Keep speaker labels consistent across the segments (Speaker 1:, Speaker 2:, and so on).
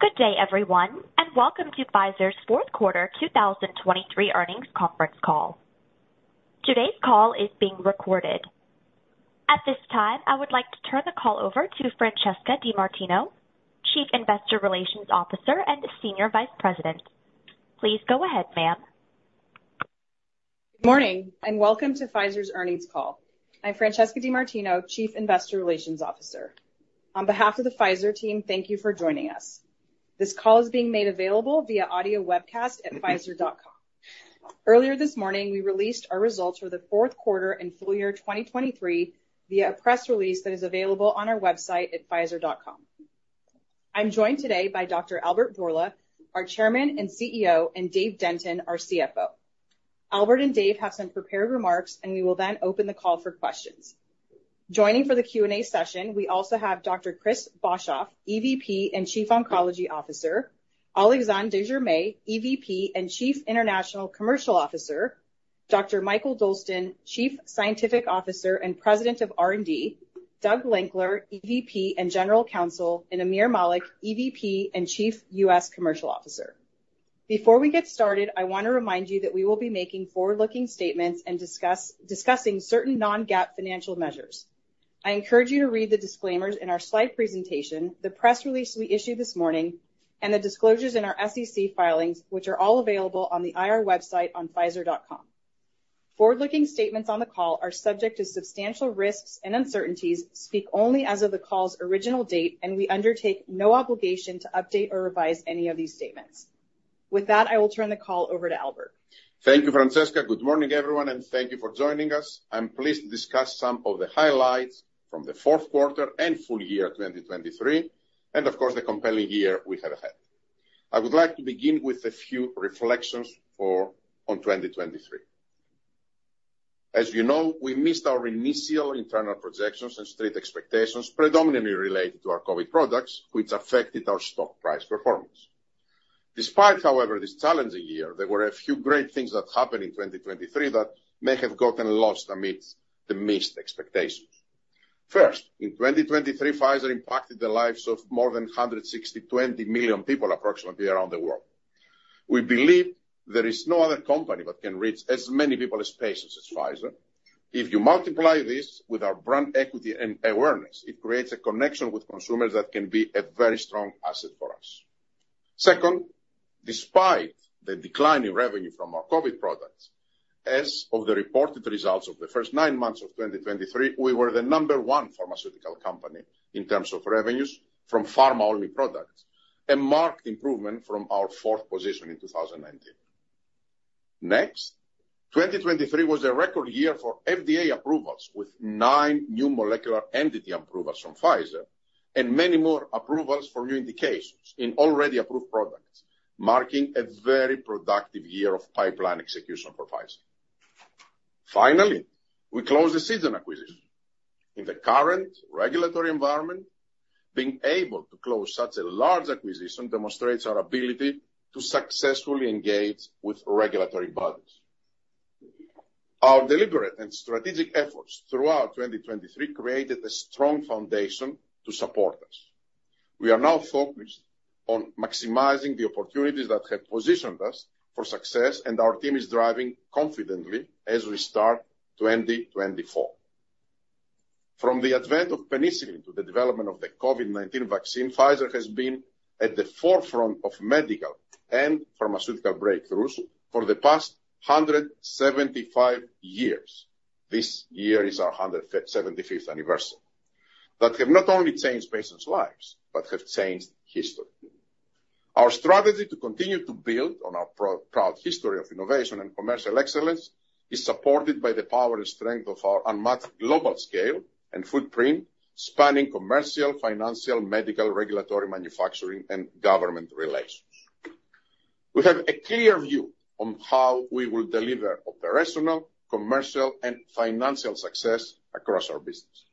Speaker 1: Good day, everyone, and welcome to Pfizer's fourth quarter 2023 earnings conference call. Today's call is being recorded. At this time, I would like to turn the call over to Francesca DeMartino, Chief Investor Relations Officer and Senior Vice President. Please go ahead, ma'am.
Speaker 2: Good morning, and welcome to Pfizer's earnings call. I'm Francesca DeMartino, Chief Investor Relations Officer. On behalf of the Pfizer team, thank you for joining us. This call is being made available via audio webcast at pfizer.com. Earlier this morning, we released our results for the fourth quarter and full year 2023 via a press release that is available on our website at pfizer.com. I'm joined today by Dr. Albert Bourla, our Chairman and CEO, and Dave Denton, our CFO. Albert and Dave have some prepared remarks, and we will then open the call for questions. Joining for the Q&A session, we also have Dr. Chris Boshoff, EVP and Chief Oncology Officer, Alexandre de Germay, EVP and Chief International Commercial Officer, Dr. Mikael Dolsten, Chief Scientific Officer and President of R&D, Doug Lankler, EVP and General Counsel, and Aamir Malik, EVP and Chief US Commercial Officer. Before we get started, I want to remind you that we will be making forward-looking statements and discussing certain Non-GAAP financial measures. I encourage you to read the disclaimers in our slide presentation, the press release we issued this morning, and the disclosures in our SEC filings, which are all available on the IR website on Pfizer.com. Forward-looking statements on the call are subject to substantial risks and uncertainties, speak only as of the call's original date, and we undertake no obligation to update or revise any of these statements. With that, I will turn the call over to Albert.
Speaker 3: Thank you, Francesca. Good morning, everyone, and thank you for joining us. I'm pleased to discuss some of the highlights from the fourth quarter and full year 2023, and of course, the compelling year we had ahead. I would like to begin with a few reflections on 2023. As you know, we missed our initial internal projections and street expectations, predominantly related to our COVID products, which affected our stock price performance. Despite, however, this challenging year, there were a few great things that happened in 2023 that may have gotten lost amidst the missed expectations. First, in 2023, Pfizer impacted the lives of more than 162 million people, approximately, around the world. We believe there is no other company that can reach as many people as patients as Pfizer. If you multiply this with our brand equity and awareness, it creates a connection with consumers that can be a very strong asset for us. Second, despite the decline in revenue from our COVID products, as of the reported results of the first 9 months of 2023, we were the number one pharmaceutical company in terms of revenues from pharma-only products, a marked improvement from our fourth position in 2019. Next, 2023 was a record year for FDA approvals, with 9 new molecular entity approvals from Pfizer and many more approvals for new indications in already approved products, marking a very productive year of pipeline execution for Pfizer. Finally, we closed the Seagen acquisition. In the current regulatory environment, being able to close such a large acquisition demonstrates our ability to successfully engage with regulatory bodies. Our deliberate and strategic efforts throughout 2023 created a strong foundation to support us. We are now focused on maximizing the opportunities that have positioned us for success, and our team is driving confidently as we start 2024. From the advent of penicillin to the development of the COVID-19 vaccine, Pfizer has been at the forefront of medical and pharmaceutical breakthroughs for the past 175 years. This year is our 175th anniversary, that have not only changed patients' lives, but have changed history. Our strategy to continue to build on our proud history of innovation and commercial excellence is supported by the power and strength of our unmatched global scale and footprint, spanning commercial, financial, medical, regulatory, manufacturing, and government relations. We have a clear view on how we will deliver operational, commercial, and financial success across our business.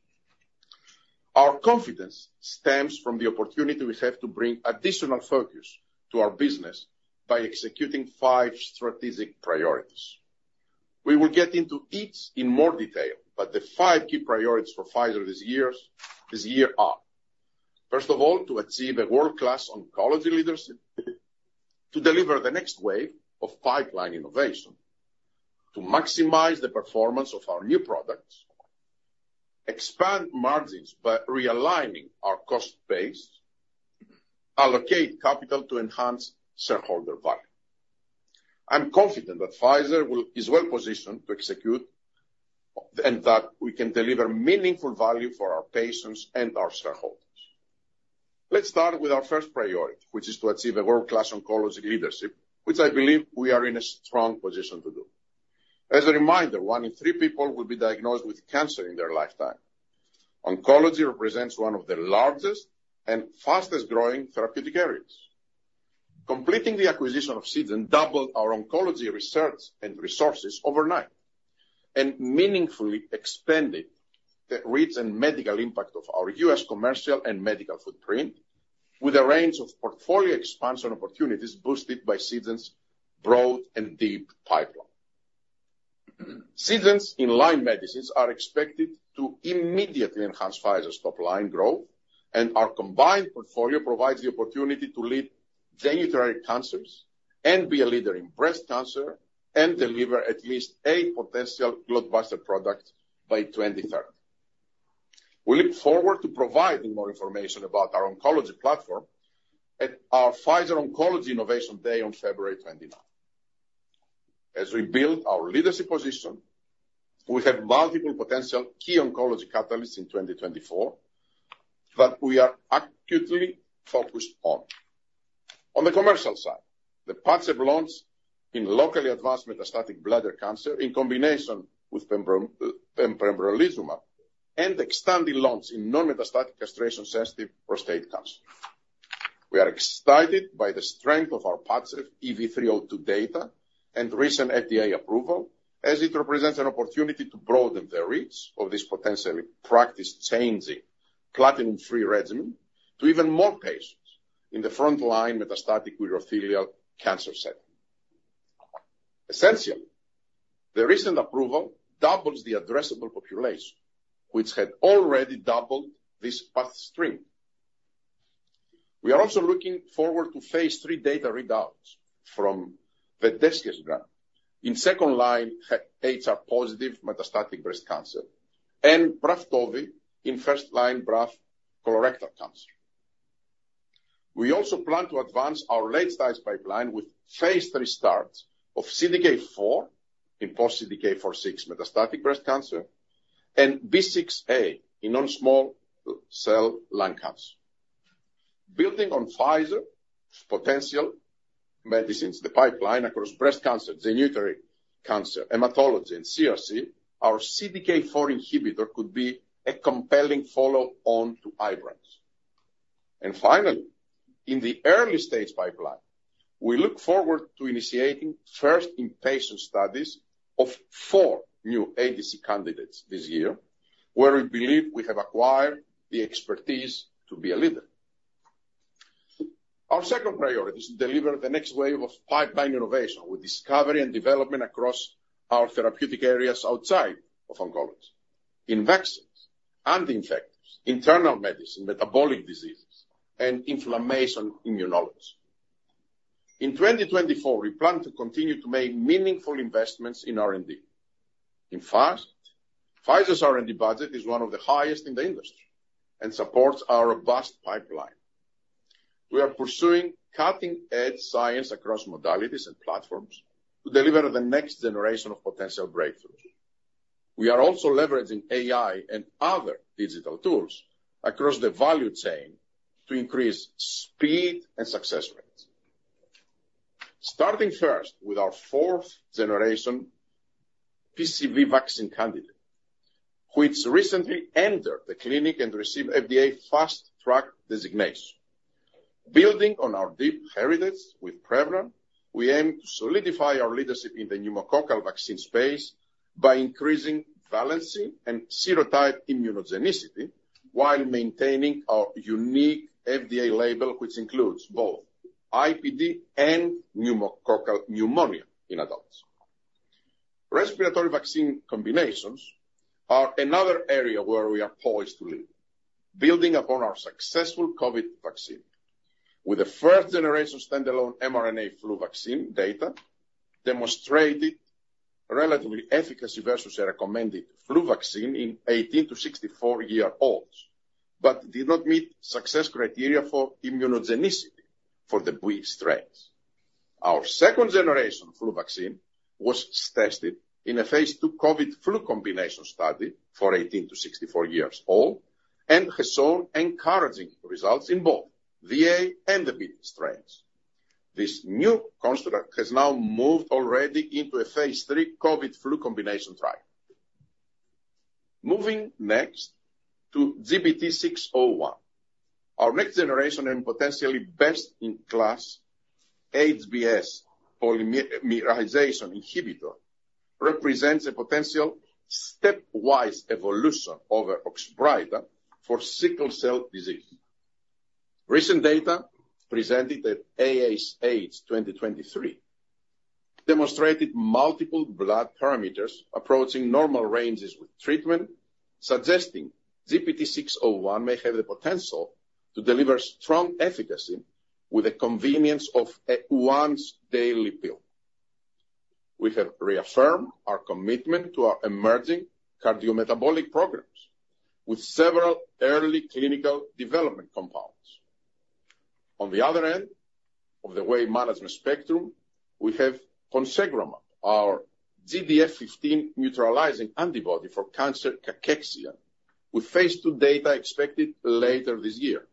Speaker 3: Our confidence stems from the opportunity we have to bring additional focus to our business by executing five strategic priorities. We will get into each in more detail, but the five key priorities for Pfizer this year are, first of all, to achieve a world-class oncology leadership, to deliver the next wave of pipeline innovation, to maximize the performance of our new products, expand margins by realigning our cost base, allocate capital to enhance shareholder value. I'm confident that Pfizer will is well positioned to execute, and that we can deliver meaningful value for our patients and our shareholders. Let's start with our first priority, which is to achieve a world-class oncology leadership, which I believe we are in a strong position to do. As a reminder, one in three people will be diagnosed with cancer in their lifetime. Oncology represents one of the largest and fastest growing therapeutic areas. Completing the acquisition of Seagen doubled our oncology research and resources overnight and meaningfully expanded the reach and medical impact of our U.S. commercial and medical footprint, with a range of portfolio expansion opportunities boosted by Seagen's broad and deep pipeline. Seagen's in-line medicines are expected to immediately enhance Pfizer's top line growth, and our combined portfolio provides the opportunity to lead genitourinary cancers and be a leader in breast cancer, and deliver at least eight potential blockbuster products by 2023. We look forward to providing more information about our oncology platform at our Pfizer Oncology Innovation Day on February 29. As we build our leadership position, we have multiple potential key oncology catalysts in 2024, that we are acutely focused on. On the commercial side, the PADCEV launch in locally advanced metastatic bladder cancer in combination with pembrolizumab and XTANDI launch in non-metastatic castration-sensitive prostate cancer. We are excited by the strength of our PADCEV EV-302 data and recent FDA approval, as it represents an opportunity to broaden the reach of this potentially practice-changing platinum-free regimen to even more patients in the frontline metastatic urothelial cancer setting. Essentially, the recent approval doubles the addressable population, which had already doubled this patient stream. We are also looking forward to Phase III data readouts from vepdegestrant in second-line, HR-positive metastatic breast cancer and Braftovi in first-line BRAF colorectal cancer. We also plan to advance our late-stage pipeline with Phase III start of CDK4 in post CDK4/6 metastatic breast cancer and B6A in non-small cell lung cancer. Building on Pfizer's potential medicines, the pipeline across breast cancer, genitourinary cancer, hematology, and CRC, our CDK4 inhibitor could be a compelling follow-on to Ibrance. And finally, in the early-stage pipeline, we look forward to initiating first-in-human studies of four new ADC candidates this year, where we believe we have acquired the expertise to be a leader. Our second priority is to deliver the next wave of pipeline innovation with discovery and development across our therapeutic areas outside of oncology, in vaccines, anti-infectives, internal medicine, metabolic diseases, and inflammation immunology. In 2024, we plan to continue to make meaningful investments in R&D. In fact, Pfizer's R&D budget is one of the highest in the industry and supports our robust pipeline. We are pursuing cutting-edge science across modalities and platforms to deliver the next generation of potential breakthroughs. We are also leveraging AI and other digital tools across the value chain to increase speed and success rates. Starting first with our fourth-generation PCV vaccine candidate, which recently entered the clinic and received FDA Fast Track designation. Building on our deep heritage with Prevnar, we aim to solidify our leadership in the pneumococcal vaccine space by increasing valency and serotype immunogenicity while maintaining our unique FDA label, which includes both IPD and pneumococcal pneumonia in adults. Respiratory vaccine combinations are another area where we are poised to lead, building upon our successful COVID vaccine. With the first-generation standalone mRNA flu vaccine data demonstrated relative efficacy versus a recommended flu vaccine in 18- to 64-year-olds, but did not meet success criteria for immunogenicity for the B strains. Our second-generation flu vaccine was tested in a Phase II COVID flu combination study for 18- to 64-year-olds and has shown encouraging results in both A and the B strains. This new construct has now moved already into a Phase III COVID flu combination trial. Moving next to GBT601, our next-generation and potentially best-in-class HbS polymerization inhibitor, represents a potential stepwise evolution over Oxbryta for sickle cell disease. Recent data presented at ASH 2023 demonstrated multiple blood parameters approaching normal ranges with treatment, suggesting GBT601 may have the potential to deliver strong efficacy with the convenience of a once-daily pill. We have reaffirmed our commitment to our emerging cardiometabolic programs with several early clinical development compounds. On the other end of the weight management spectrum, we have cosibelimab, our GDF-15 neutralizing antibody for cancer cachexia, with Phase II data expected later this year.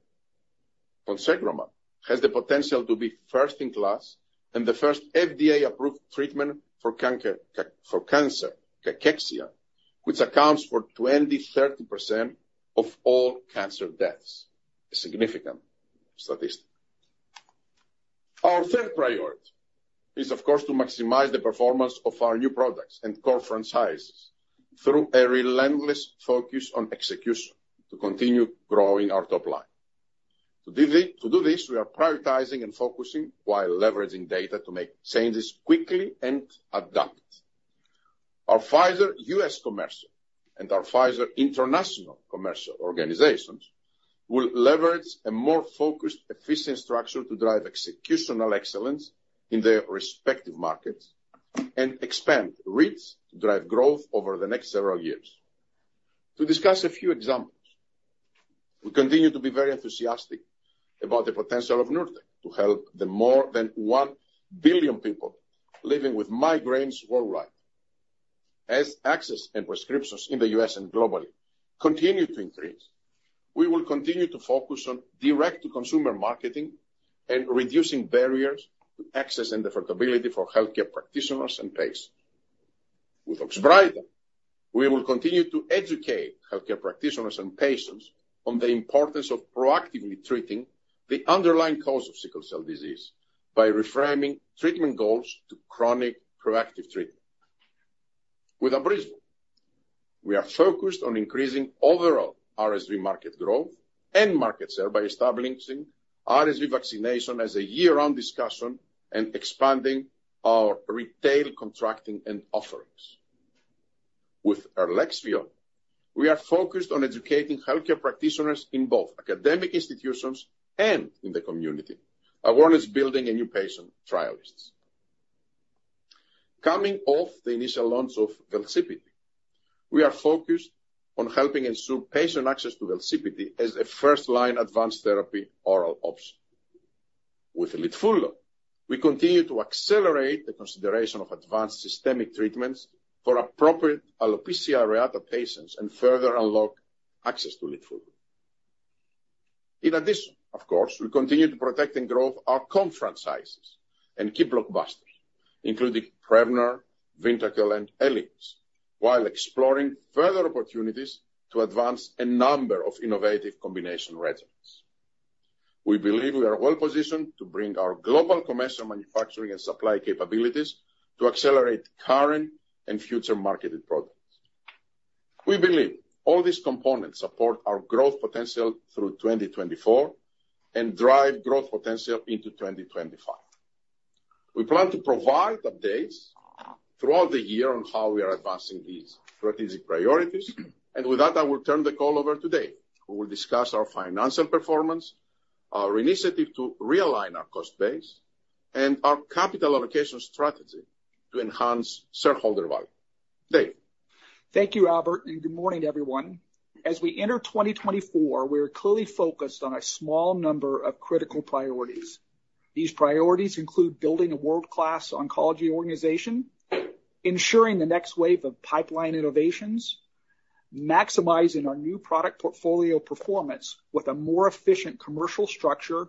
Speaker 3: Cosibelimab has the potential to be first-in-class and the first FDA-approved treatment for cancer cachexia, which accounts for 20%-30% of all cancer deaths. A significant statistic. Our third priority is, of course, to maximize the performance of our new products and core franchises through a relentless focus on execution to continue growing our top line. To do this, we are prioritizing and focusing while leveraging data to make changes quickly and adapt. Our Pfizer U.S. commercial and our Pfizer international commercial organizations will leverage a more focused, efficient structure to drive executional excellence in their respective markets and expand reach to drive growth over the next several years. To discuss a few examples, we continue to be very enthusiastic about the potential of Nurtec to help the more than 1 billion people living with migraines worldwide. As access and prescriptions in the U.S. and globally continue to increase, we will continue to focus on direct-to-consumer marketing and reducing barriers to access and affordability for healthcare practitioners and patients. With Oxbryta, we will continue to educate healthcare practitioners and patients on the importance of proactively treating the underlying cause of sickle cell disease by reframing treatment goals to chronic proactive treatment. With Abrysvo, we are focused on increasing overall RSV market growth and market share by establishing RSV vaccination as a year-round discussion and expanding our retail contracting and offerings. With ELREXFIO, we are focused on educating healthcare practitioners in both academic institutions and in the community, awareness building and new patient trialists. Coming off the initial launch of Velsipity, we are focused on helping ensure patient access to Velsipity as a first-line advanced therapy oral option. With Litfulo, we continue to accelerate the consideration of advanced systemic treatments for appropriate alopecia areata patients and further unlock access to Litfulo. In addition, of course, we continue to protect and grow our core franchises and key blockbusters, including Prevnar, Vyndaqel, and Eliquis, while exploring further opportunities to advance a number of innovative combination regimens. We believe we are well positioned to bring our global commercial manufacturing and supply capabilities to accelerate current and future marketed products. We believe all these components support our growth potential through 2024 and drive growth potential into 2025. We plan to provide updates throughout the year on how we are advancing these strategic priorities, and with that, I will turn the call over to Dave, who will discuss our financial performance, our initiative to realign our cost base, and our capital allocation strategy to enhance shareholder value. Dave?
Speaker 4: Thank you, Albert, and good morning, everyone. As we enter 2024, we are clearly focused on a small number of critical priorities. These priorities include building a world-class oncology organization, ensuring the next wave of pipeline innovations, maximizing our new product portfolio performance with a more efficient commercial structure,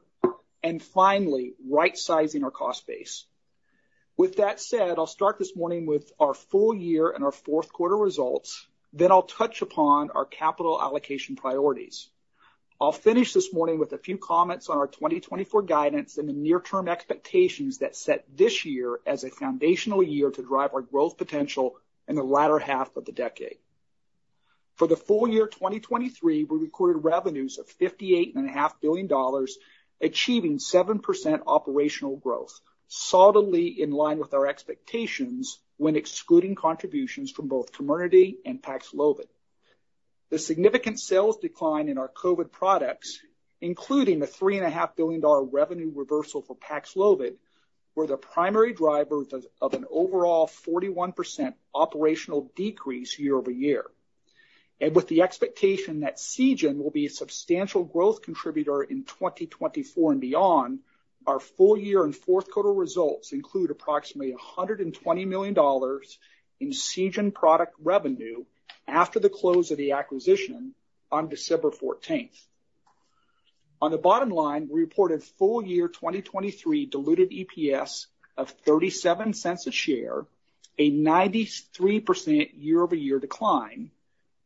Speaker 4: and finally, right-sizing our cost base. With that said, I'll start this morning with our full year and our fourth quarter results, then I'll touch upon our capital allocation priorities. I'll finish this morning with a few comments on our 2024 guidance and the near-term expectations that set this year as a foundational year to drive our growth potential in the latter half of the decade. For the full year 2023, we recorded revenues of $58.5 billion, achieving 7% operational growth, solidly in line with our expectations when excluding contributions from both Comirnaty and Paxlovid. The significant sales decline in our COVID products, including a $3.5 billion revenue reversal for Paxlovid, were the primary driver of an overall 41% operational decrease year-over-year. With the expectation that Seagen will be a substantial growth contributor in 2024 and beyond, our full year and fourth quarter results include approximately $120 million in Seagen product revenue after the close of the acquisition on December fourteenth. On the bottom line, we reported full year 2023 diluted EPS of $0.37 per share, a 93% year-over-year decline,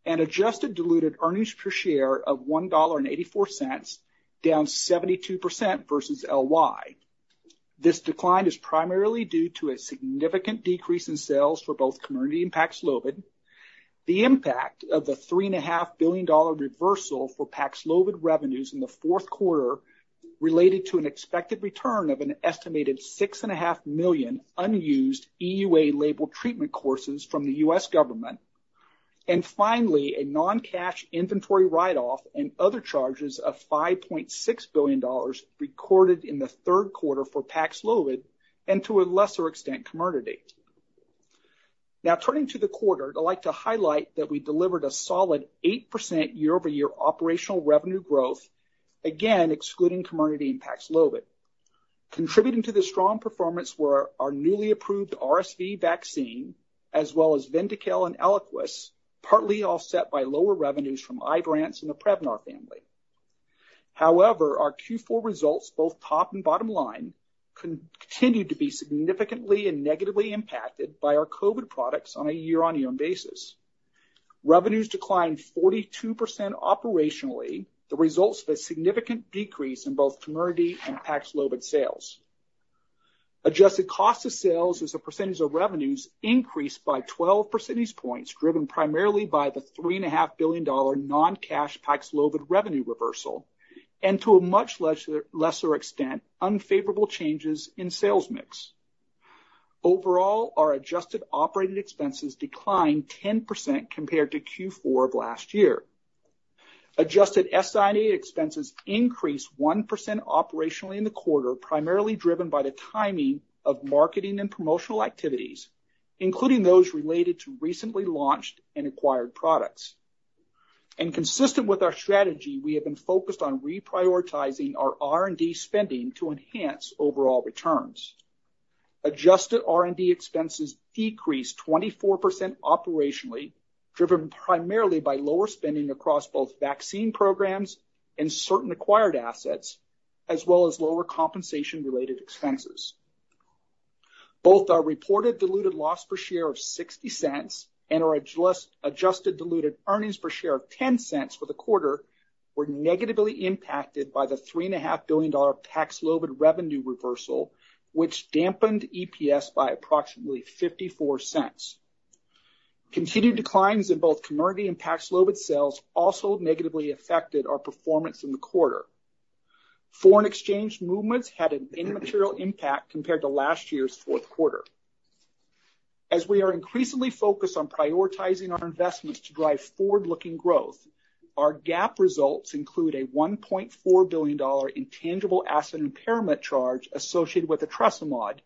Speaker 4: and adjusted diluted earnings per share of $1.84, down 72% versus LY. This decline is primarily due to a significant decrease in sales for both Comirnaty and Paxlovid. The impact of the $3.5 billion reversal for Paxlovid revenues in the fourth quarter related to an expected return of an estimated 6.5 million unused EUA labeled treatment courses from the U.S. government. And finally, a non-cash inventory write-off and other charges of $5.6 billion recorded in the third quarter for Paxlovid, and to a lesser extent, Comirnaty. Now, turning to the quarter, I'd like to highlight that we delivered a solid 8% year-over-year operational revenue growth, again, excluding Comirnaty and Paxlovid. Contributing to the strong performance were our newly approved RSV vaccine, as well as VYNDAQEL and Eliquis, partly offset by lower revenues from Ibrance and the Prevnar family. However, our Q4 results, both top and bottom line, continued to be significantly and negatively impacted by our COVID products on a year-on-year basis. Revenues declined 42% operationally, the results of a significant decrease in both Comirnaty and Paxlovid sales. Adjusted cost of sales as a percentage of revenues increased by 12 percentage points, driven primarily by the $3.5 billion non-cash PAXLOVID revenue reversal, and to a much lesser, lesser extent, unfavorable changes in sales mix. Overall, our adjusted operating expenses declined 10% compared to Q4 of last year. Adjusted SI&A expenses increased 1% operationally in the quarter, primarily driven by the timing of marketing and promotional activities, including those related to recently launched and acquired products. Consistent with our strategy, we have been focused on reprioritizing our R&D spending to enhance overall returns. Adjusted R&D expenses decreased 24% operationally, driven primarily by lower spending across both vaccine programs and certain acquired assets, as well as lower compensation-related expenses. Both our reported diluted loss per share of $0.60 and our adjusted diluted earnings per share of $0.10 for the quarter were negatively impacted by the $3.5 billion PAXLOVID revenue reversal, which dampened EPS by approximately $0.54. Continued declines in both Comirnaty and PAXLOVID sales also negatively affected our performance in the quarter. Foreign exchange movements had an immaterial impact compared to last year's fourth quarter. As we are increasingly focused on prioritizing our investments to drive forward-looking growth, our GAAP results include a $1.4 billion intangible asset impairment charge associated with etrasimod,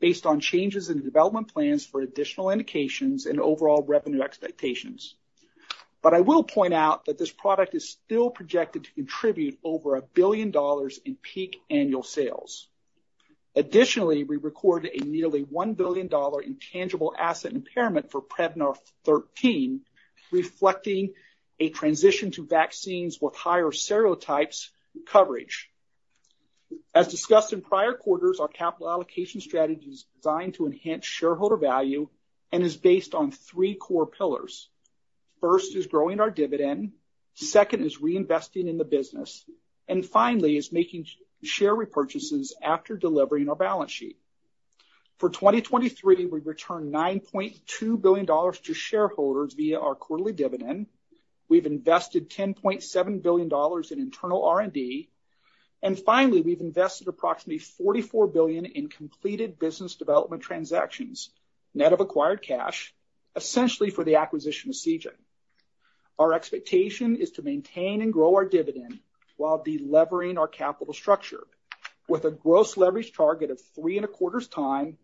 Speaker 4: based on changes in the development plans for additional indications and overall revenue expectations. But I will point out that this product is still projected to contribute over $1 billion in peak annual sales. Additionally, we recorded a nearly $1 billion intangible asset impairment for Prevnar 13, reflecting a transition to vaccines with higher serotypes coverage. As discussed in prior quarters, our capital allocation strategy is designed to enhance shareholder value and is based on three core pillars. First is growing our dividend, second is reinvesting in the business, and finally, is making share repurchases after delivering our balance sheet. For 2023, we returned $9.2 billion to shareholders via our quarterly dividend. We've invested $10.7 billion in internal R&D, and finally, we've invested approximately $44 billion in completed business development transactions, net of acquired cash, essentially for the acquisition of Seagen. Our expectation is to maintain and grow our dividend while delevering our capital structure, with a gross leverage target of 3.25x,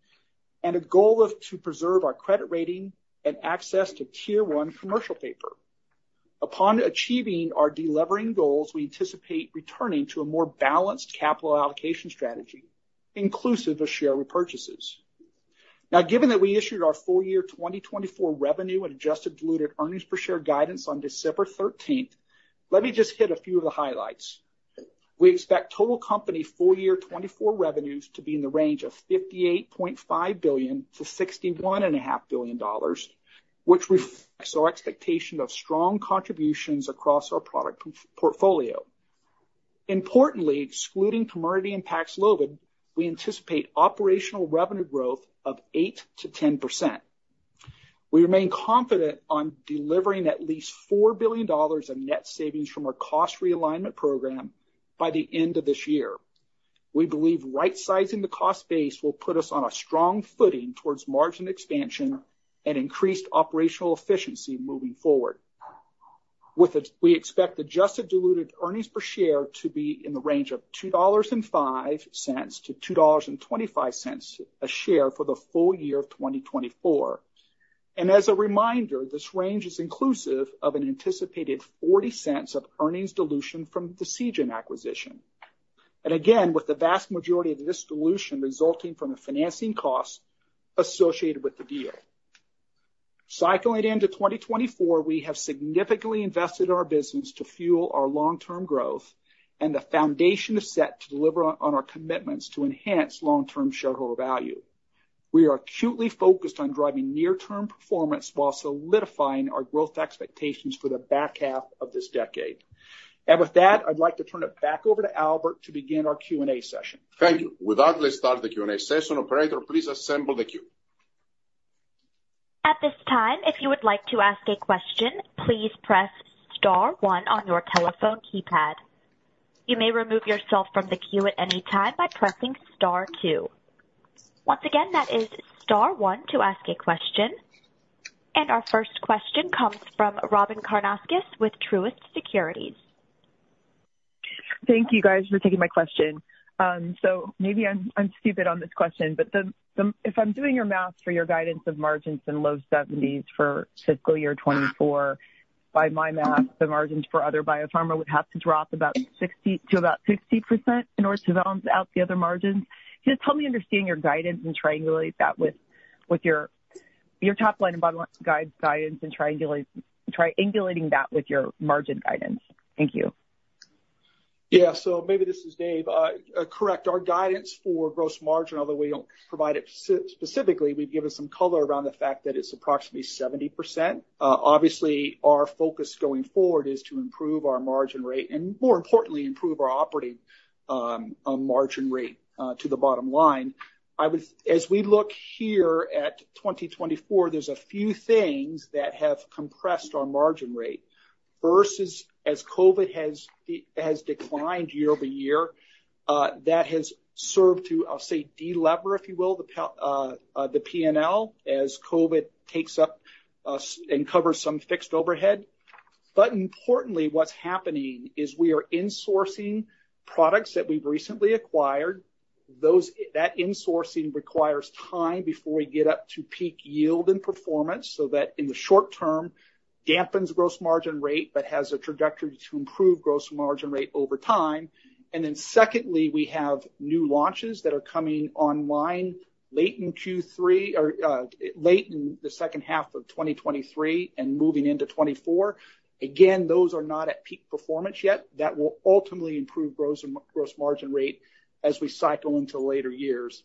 Speaker 4: and a goal to preserve our credit rating and access to Tier One commercial paper. Upon achieving our delevering goals, we anticipate returning to a more balanced capital allocation strategy, inclusive of share repurchases. Now, given that we issued our full-year 2024 revenue and adjusted diluted earnings per share guidance on December 13th, let me just hit a few of the highlights. We expect total company full year 2024 revenues to be in the range of $58.5 billion-$61.5 billion, which reflects our expectation of strong contributions across our product portfolio. Importantly, excluding Comirnaty and Paxlovid, we anticipate operational revenue growth of 8%-10%. We remain confident on delivering at least $4 billion of net savings from our cost realignment program by the end of this year. We believe rightsizing the cost base will put us on a strong footing towards margin expansion and increased operational efficiency moving forward. With it, we expect adjusted diluted earnings per share to be in the range of $2.05-$2.25 a share for the full year of 2024. As a reminder, this range is inclusive of an anticipated $0.40 of earnings dilution from the Seagen acquisition. Again, with the vast majority of this dilution resulting from the financing costs associated with the deal. Cycling into 2024, we have significantly invested in our business to fuel our long-term growth, and the foundation is set to deliver on our commitments to enhance long-term shareholder value. We are acutely focused on driving near-term performance while solidifying our growth expectations for the back half of this decade. With that, I'd like to turn it back over to Albert to begin our Q&A session.
Speaker 3: Thank you. With that, let's start the Q&A session. Operator, please assemble the queue.
Speaker 1: At this time, if you would like to ask a question, please press star one on your telephone keypad. You may remove yourself from the queue at any time by pressing star two. Once again, that is star one to ask a question. Our first question comes from Robyn Karnauskas with Truist Securities.
Speaker 5: Thank you, guys, for taking my question. So maybe I'm, I'm stupid on this question, but if I'm doing your math for your guidance of margins in low 70s% for fiscal year 2024, by my math, the margins for other biopharma would have to drop about 60% to about 60% in order to balance out the other margins. Just help me understand your guidance and triangulate that with your top line and bottom line guidance, and triangulate that with your margin guidance. Thank you....
Speaker 4: Yeah, so maybe this is Dave. Correct, our guidance for gross margin, although we don't provide it specifically, we've given some color around the fact that it's approximately 70%. Obviously, our focus going forward is to improve our margin rate and, more importantly, improve our operating margin rate to the bottom line. As we look here at 2024, there's a few things that have compressed our margin rate. First is, as COVID has declined year over year, that has served to, I'll say, delever, if you will, the P&L as COVID takes up less and covers some fixed overhead. But importantly, what's happening is we are insourcing products that we've recently acquired. That insourcing requires time before we get up to peak yield and performance, so that in the short term dampens gross margin rate, but has a trajectory to improve gross margin rate over time. And then secondly, we have new launches that are coming online late in Q3 or late in the second half of 2023 and moving into 2024. Again, those are not at peak performance yet. That will ultimately improve gross margin rate as we cycle into later years.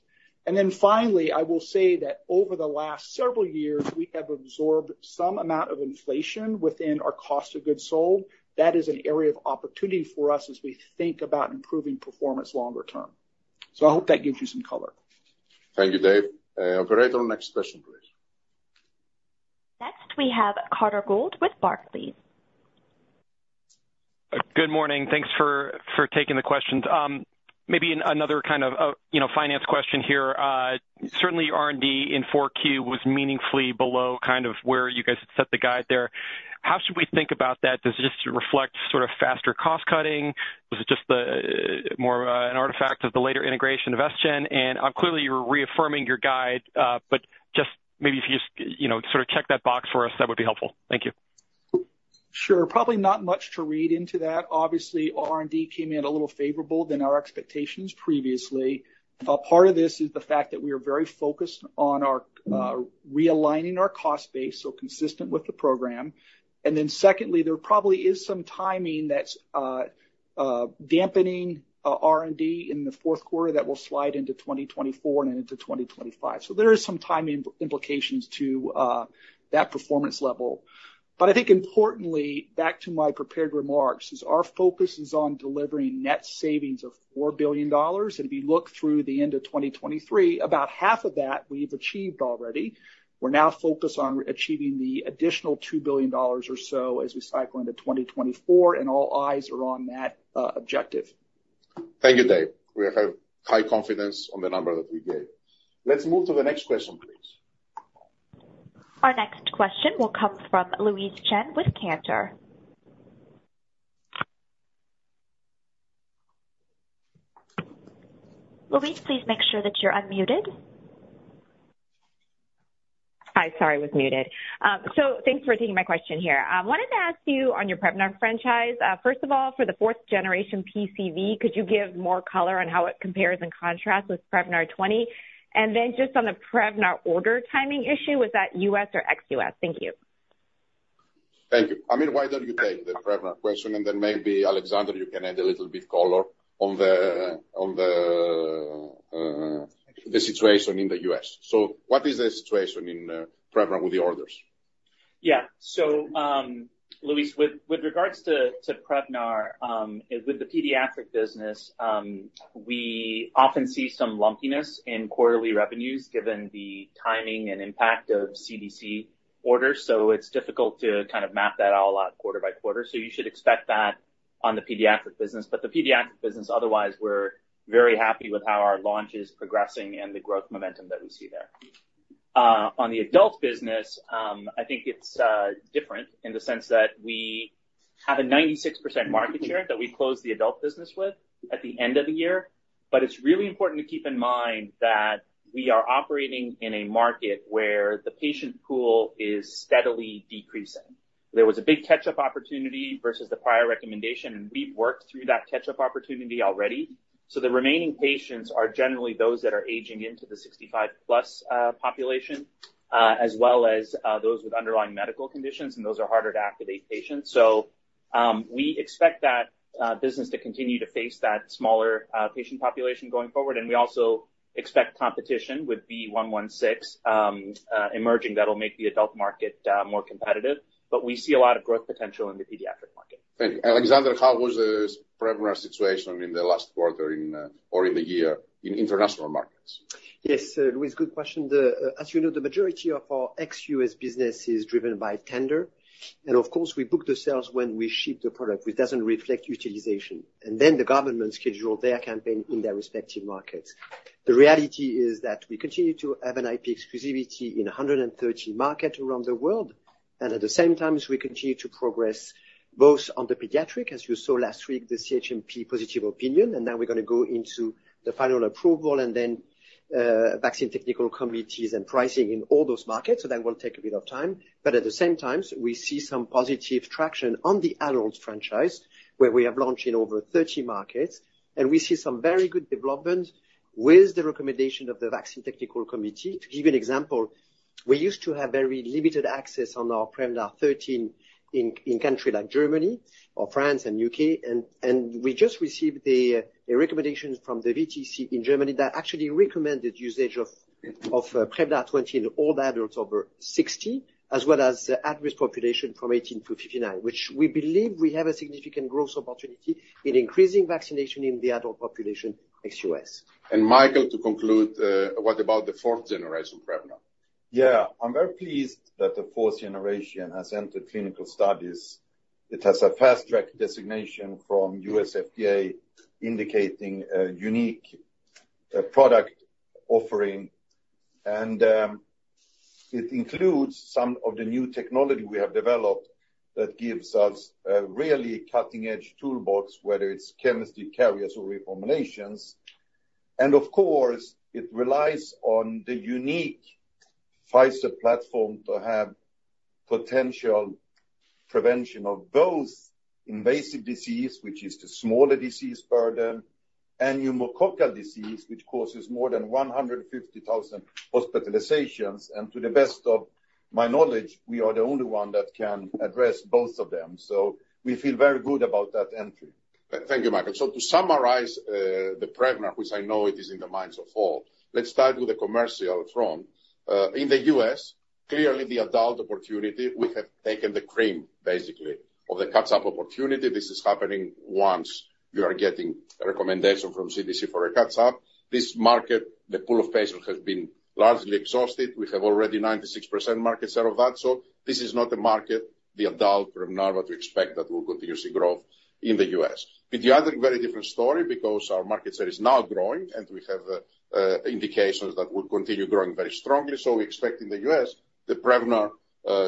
Speaker 4: And then finally, I will say that over the last several years, we have absorbed some amount of inflation within our cost of goods sold. That is an area of opportunity for us as we think about improving performance longer term. So I hope that gives you some color.
Speaker 3: Thank you, Dave. Operator, next question, please.
Speaker 1: Next, we have Carter Gould with Barclays.
Speaker 6: Good morning. Thanks for taking the questions. Maybe another kind of, you know, finance question here. Certainly, R&D in 4Q was meaningfully below kind of where you guys had set the guide there. How should we think about that? Does it just reflect sort of faster cost cutting? Was it just the more of an artifact of the later integration of Seagen? And clearly, you're reaffirming your guide, but just maybe if you just, you know, sort of check that box for us, that would be helpful. Thank you.
Speaker 4: Sure. Probably not much to read into that. Obviously, R&D came in a little favorable than our expectations previously. A part of this is the fact that we are very focused on our realigning our cost base, so consistent with the program. And then secondly, there probably is some timing that's dampening R&D in the fourth quarter that will slide into 2024 and into 2025. So there is some timing implications to that performance level. But I think importantly, back to my prepared remarks, is our focus is on delivering net savings of $4 billion. And if you look through the end of 2023, about half of that we've achieved already. We're now focused on achieving the additional $2 billion or so as we cycle into 2024, and all eyes are on that objective.
Speaker 3: Thank you, Dave. We have high confidence on the number that we gave. Let's move to the next question, please.
Speaker 1: Our next question will come from Louise Chen with Cantor. Louise, please make sure that you're unmuted.
Speaker 7: Hi, sorry, I was muted. So thanks for taking my question here. I wanted to ask you on your Prevnar franchise, first of all, for the fourth generation PCV, could you give more color on how it compares and contrasts with Prevnar 20? And then just on the Prevnar order timing issue, was that U.S. or ex-U.S.? Thank you.
Speaker 3: Thank you. Amin, why don't you take the Prevnar question, and then maybe, Alexandre, you can add a little bit color on the, on the, the situation in the U.S.? So what is the situation in, Prevnar with the orders?
Speaker 8: Yeah. So, Louise, with regards to Prevnar, with the pediatric business, we often see some lumpiness in quarterly revenues given the timing and impact of CDC orders, so it's difficult to kind of map that all out quarter by quarter. So you should expect that on the pediatric business. But the pediatric business, otherwise, we're very happy with how our launch is progressing and the growth momentum that we see there. On the adult business, I think it's different in the sense that we have a 96% market share that we closed the adult business with at the end of the year. But it's really important to keep in mind that we are operating in a market where the patient pool is steadily decreasing. There was a big catch-up opportunity versus the prior recommendation, and we've worked through that catch-up opportunity already. So the remaining patients are generally those that are aging into the 65+ population, as well as those with underlying medical conditions, and those are harder to activate patients. So we expect that business to continue to face that smaller patient population going forward, and we also expect competition with V116 emerging that will make the adult market more competitive. But we see a lot of growth potential in the pediatric market.
Speaker 3: Thank you. Alexandre, how was the Prevnar situation in the last quarter, or in the year in international markets?
Speaker 9: Yes, Louise, good question. The, as you know, the majority of our ex-U.S. business is driven by tender. And of course, we book the sales when we ship the product, which doesn't reflect utilization. And then the government schedule their campaign in their respective markets. The reality is that we continue to have an IP exclusivity in 130 markets around the world, and at the same time, we continue to progress both on the pediatric, as you saw last week, the CHMP positive opinion, and now we're gonna go into the final approval and then, vaccine technical committees and pricing in all those markets. So that will take a bit of time. But at the same time, we see some positive traction on the adults franchise, where we have launched in over 30 markets, and we see some very good development with the recommendation of the Vaccine Technical Committee. To give you an example, we used to have very limited access on our Prevnar 13 in countries like Germany or France and U.K., and we just received the recommendations from the VTC in Germany that actually recommended usage of Prevnar 20 in all adults over 60, as well as the at-risk population from 18 to 59, which we believe we have a significant growth opportunity in increasing vaccination in the adult population, ex-U.S.
Speaker 3: Michael, to conclude, what about the fourth generation Prevnar? ...
Speaker 10: Yeah, I'm very pleased that the fourth generation has entered clinical studies. It has a fast-track designation from U.S. FDA, indicating a unique product offering, and it includes some of the new technology we have developed that gives us a really cutting-edge toolbox, whether it's chemistry, carriers, or reformulations. And of course, it relies on the unique Pfizer platform to have potential prevention of both invasive disease, which is the smaller disease burden, and pneumococcal disease, which causes more than 150,000 hospitalizations and to the best of my knowledge, we are the only one that can address both of them. So we feel very good about that entry.
Speaker 3: Thank you, Mikael. To summarize, the Prevnar, which I know it is in the minds of all, let's start with the commercial front. In the U.S., clearly the adult opportunity, we have taken the cream, basically, of the catch-up opportunity. This is happening once you are getting a recommendation from CDC for a catch-up. This market, the pool of patients, has been largely exhausted. We have already 96% market share of that, so this is not the market, the adult Prevnar, what we expect that will continuously grow in the U.S. Pediatric, very different story because our market share is now growing, and we have indications that will continue growing very strongly. So we expect in the U.S., the Prevnar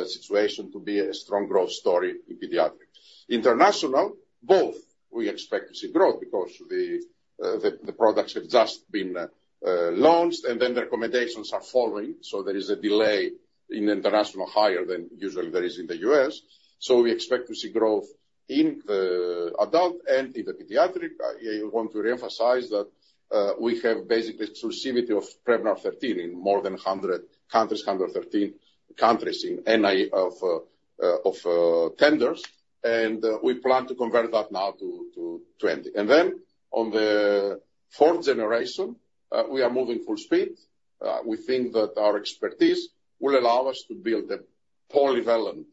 Speaker 3: situation to be a strong growth story in pediatric. International, both, we expect to see growth because the products have just been launched, and then the recommendations are following. So there is a delay in international, higher than usually there is in the U.S. So we expect to see growth in the adult and in the pediatric. I want to reemphasize that, we have basically exclusivity of Prevnar 13 in more than 100 countries, 113 countries in NI of tenders, and we plan to convert that now to 20. And then on the fourth generation, we are moving full speed. We think that our expertise will allow us to build a polyvalent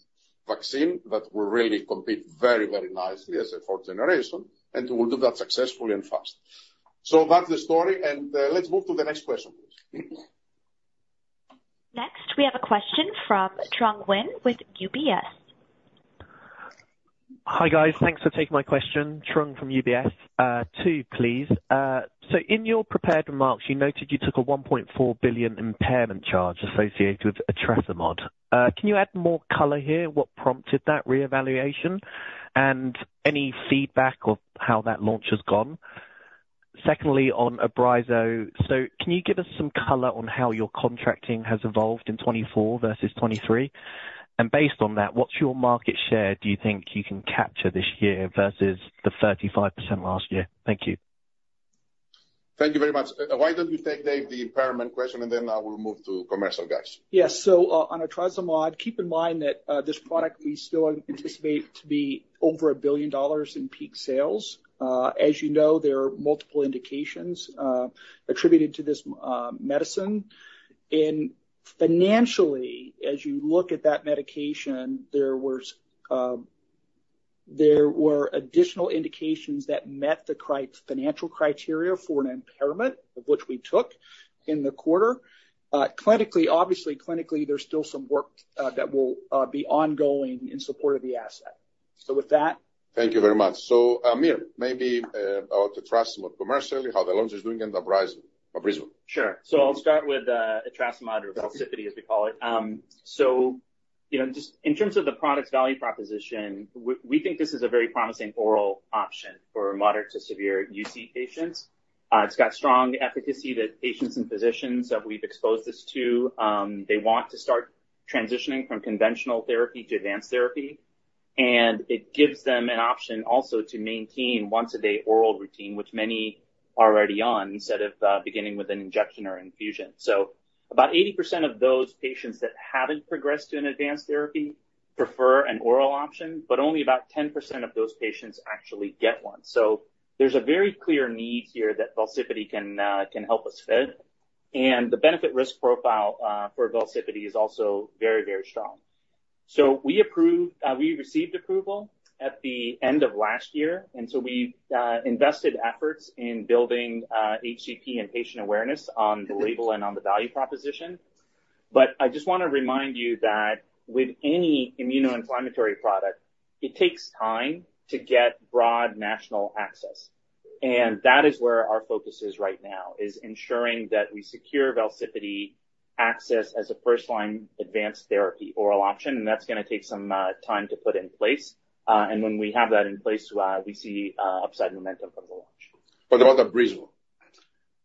Speaker 3: vaccine that will really compete very, very nicely as a fourth generation, and we'll do that successfully and fast. So that's the story, and let's move to the next question, please.
Speaker 1: Next, we have a question from Trung Huynh with UBS.
Speaker 11: Hi, guys. Thanks for taking my question. Trung from UBS. Two, please. So in your prepared remarks, you noted you took a $1.4 billion impairment charge associated with etrasimod. Can you add more color here? What prompted that reevaluation, and any feedback on how that launch has gone? Secondly, on Abrysvo, so can you give us some color on how your contracting has evolved in 2024 versus 2023? And based on that, what's your market share do you think you can capture this year versus the 35% last year? Thank you.
Speaker 3: Thank you very much. Why don't you take, Dave, the impairment question, and then I will move to commercial guys.
Speaker 4: Yes. So, on etrasimod, keep in mind that, this product we still anticipate to be over $1 billion in peak sales. As you know, there are multiple indications, attributed to this, medicine. And financially, as you look at that medication, there was, there were additional indications that met the cri-- financial criteria for an impairment, of which we took in the quarter. Clinically, obviously, clinically, there's still some work, that will, be ongoing in support of the asset. So with that-
Speaker 3: Thank you very much. So, Aamir, maybe about etrasimod commercially, how the launch is doing, and Abrysvo?
Speaker 8: Sure. So I'll start with etrasimod or VELSIPITY, as we call it. So, you know, just in terms of the product's value proposition, we think this is a very promising oral option for moderate to severe UC patients. It's got strong efficacy that patients and physicians that we've exposed this to, they want to start transitioning from conventional therapy to advanced therapy, and it gives them an option also to maintain once-a-day oral routine, which many are already on, instead of beginning with an injection or infusion. So about 80% of those patients that haven't progressed to an advanced therapy prefer an oral option, but only about 10% of those patients actually get one. So there's a very clear need here that VELSIPITY can help us fit, and the benefit-risk profile for VELSIPITY is also very, very strong. So we approved, we received approval at the end of last year, and so we invested efforts in building HCP and patient awareness on the label and on the value proposition. But I just want to remind you that with any immunoinflammatory product, it takes time to get broad national access. And that is where our focus is right now, is ensuring that we secure VELSIPITY access as a first-line advanced therapy oral option, and that's going to take some time to put in place. And when we have that in place, we see upside momentum from the launch.
Speaker 3: What about Abrysvo?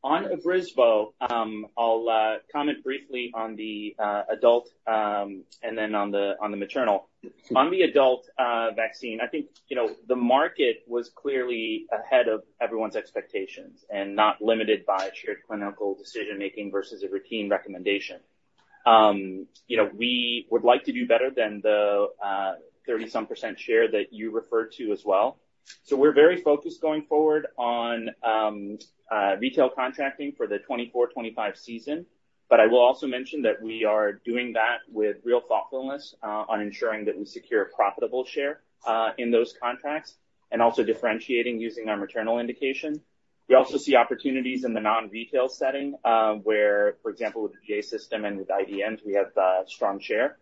Speaker 8: On Abrysvo, I'll comment briefly on the adult, and then on the maternal. On the adult vaccine, I think, you know, the market was clearly ahead of everyone's expectations and not limited by shared clinical decision-making versus a routine recommendation. You know, we would like to do better than the 30-some% share that you referred to as well. So we're very focused going forward on retail contracting for the 2024-2025 season. But I will also mention that we are doing that with real thoughtfulness on ensuring that we secure profitable share in those contracts, and also differentiating using our maternal indication. We also see opportunities in the non-retail setting, where, for example, with the VA system and with IDNs, we have strong share.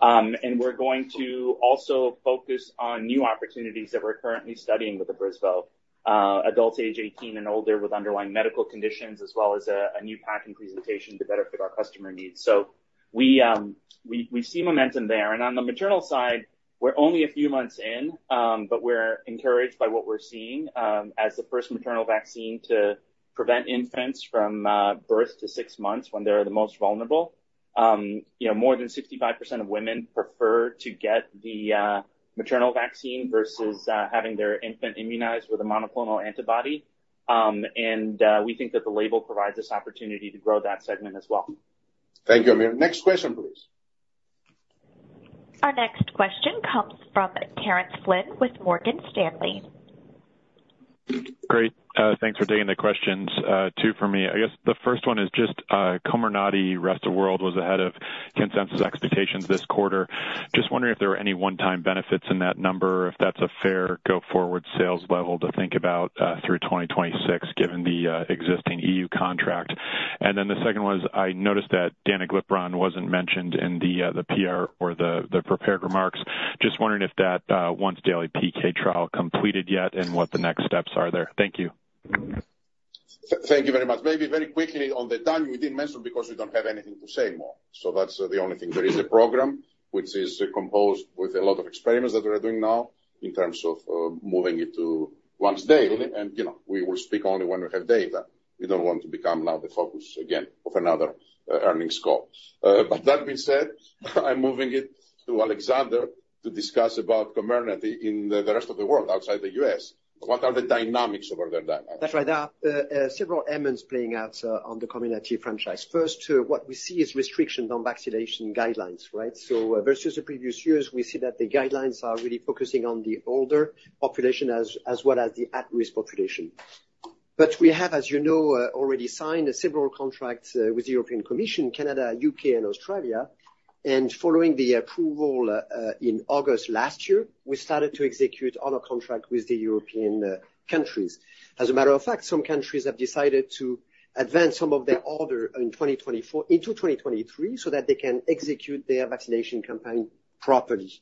Speaker 8: And we're going to also focus on new opportunities that we're currently studying with the Abrysvo, adults age 18 and older with underlying medical conditions, as well as a new packing presentation to better fit our customer needs. So we see momentum there. And on the maternal side, we're only a few months in, but we're encouraged by what we're seeing, as the first maternal vaccine to prevent infants from birth to six months when they are the most vulnerable. You know, more than 65% of women prefer to get the maternal vaccine versus having their infant immunized with a monoclonal antibody. And we think that the label provides this opportunity to grow that segment as well.
Speaker 3: Thank you, Aamir. Next question, please.
Speaker 1: Our next question comes from Terence Flynn with Morgan Stanley.
Speaker 12: Great, thanks for taking the questions, two for me. I guess the first one is just, Comirnaty, rest of world, was ahead of consensus expectations this quarter. Just wondering if there were any one-time benefits in that number, if that's a fair go-forward sales level to think about, through 2026, given the, existing EU contract. And then the second one is, I noticed that danuglipron wasn't mentioned in the, the PR or the, the prepared remarks. Just wondering if that, once-daily PK trial completed yet, and what the next steps are there? Thank you.
Speaker 3: Thank you very much. Maybe very quickly on the time, we didn't mention because we don't have anything to say more. So that's the only thing. There is a program which is composed with a lot of experiments that we are doing now in terms of moving it to once daily, and, you know, we will speak only when we have data. We don't want to become now the focus again of another earnings call. But that being said, I'm moving it to Alexandre to discuss about Comirnaty in the rest of the world, outside the U.S. What are the dynamics over there then?
Speaker 9: That's right. Several elements playing out on the Comirnaty franchise. First, what we see is restriction on vaccination guidelines, right? So versus the previous years, we see that the guidelines are really focusing on the older population as well as the at-risk population. But we have, as you know, already signed several contracts with the European Commission, Canada, U.K., and Australia. And following the approval in August last year, we started to execute on a contract with the European countries. As a matter of fact, some countries have decided to advance some of their order in 2024 into 2023, so that they can execute their vaccination campaign properly.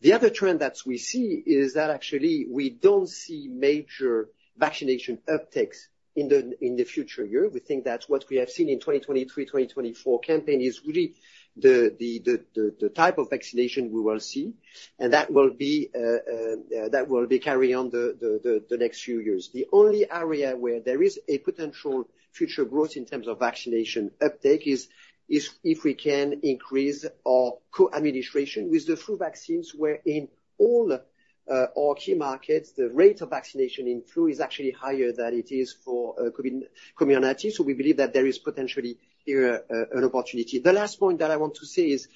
Speaker 9: The other trend that we see is that actually we don't see major vaccination upticks in the future year. We think that's what we have seen in 2023, 2024 campaign is really the type of vaccination we will see, and that will be carry on the next few years. The only area where there is a potential future growth in terms of vaccination uptake is if we can increase our co-administration with the flu vaccines, where in all our key markets, the rate of vaccination in flu is actually higher than it is for Comirnaty. So we believe that there is potentially here an opportunity. The last point that I want to say is,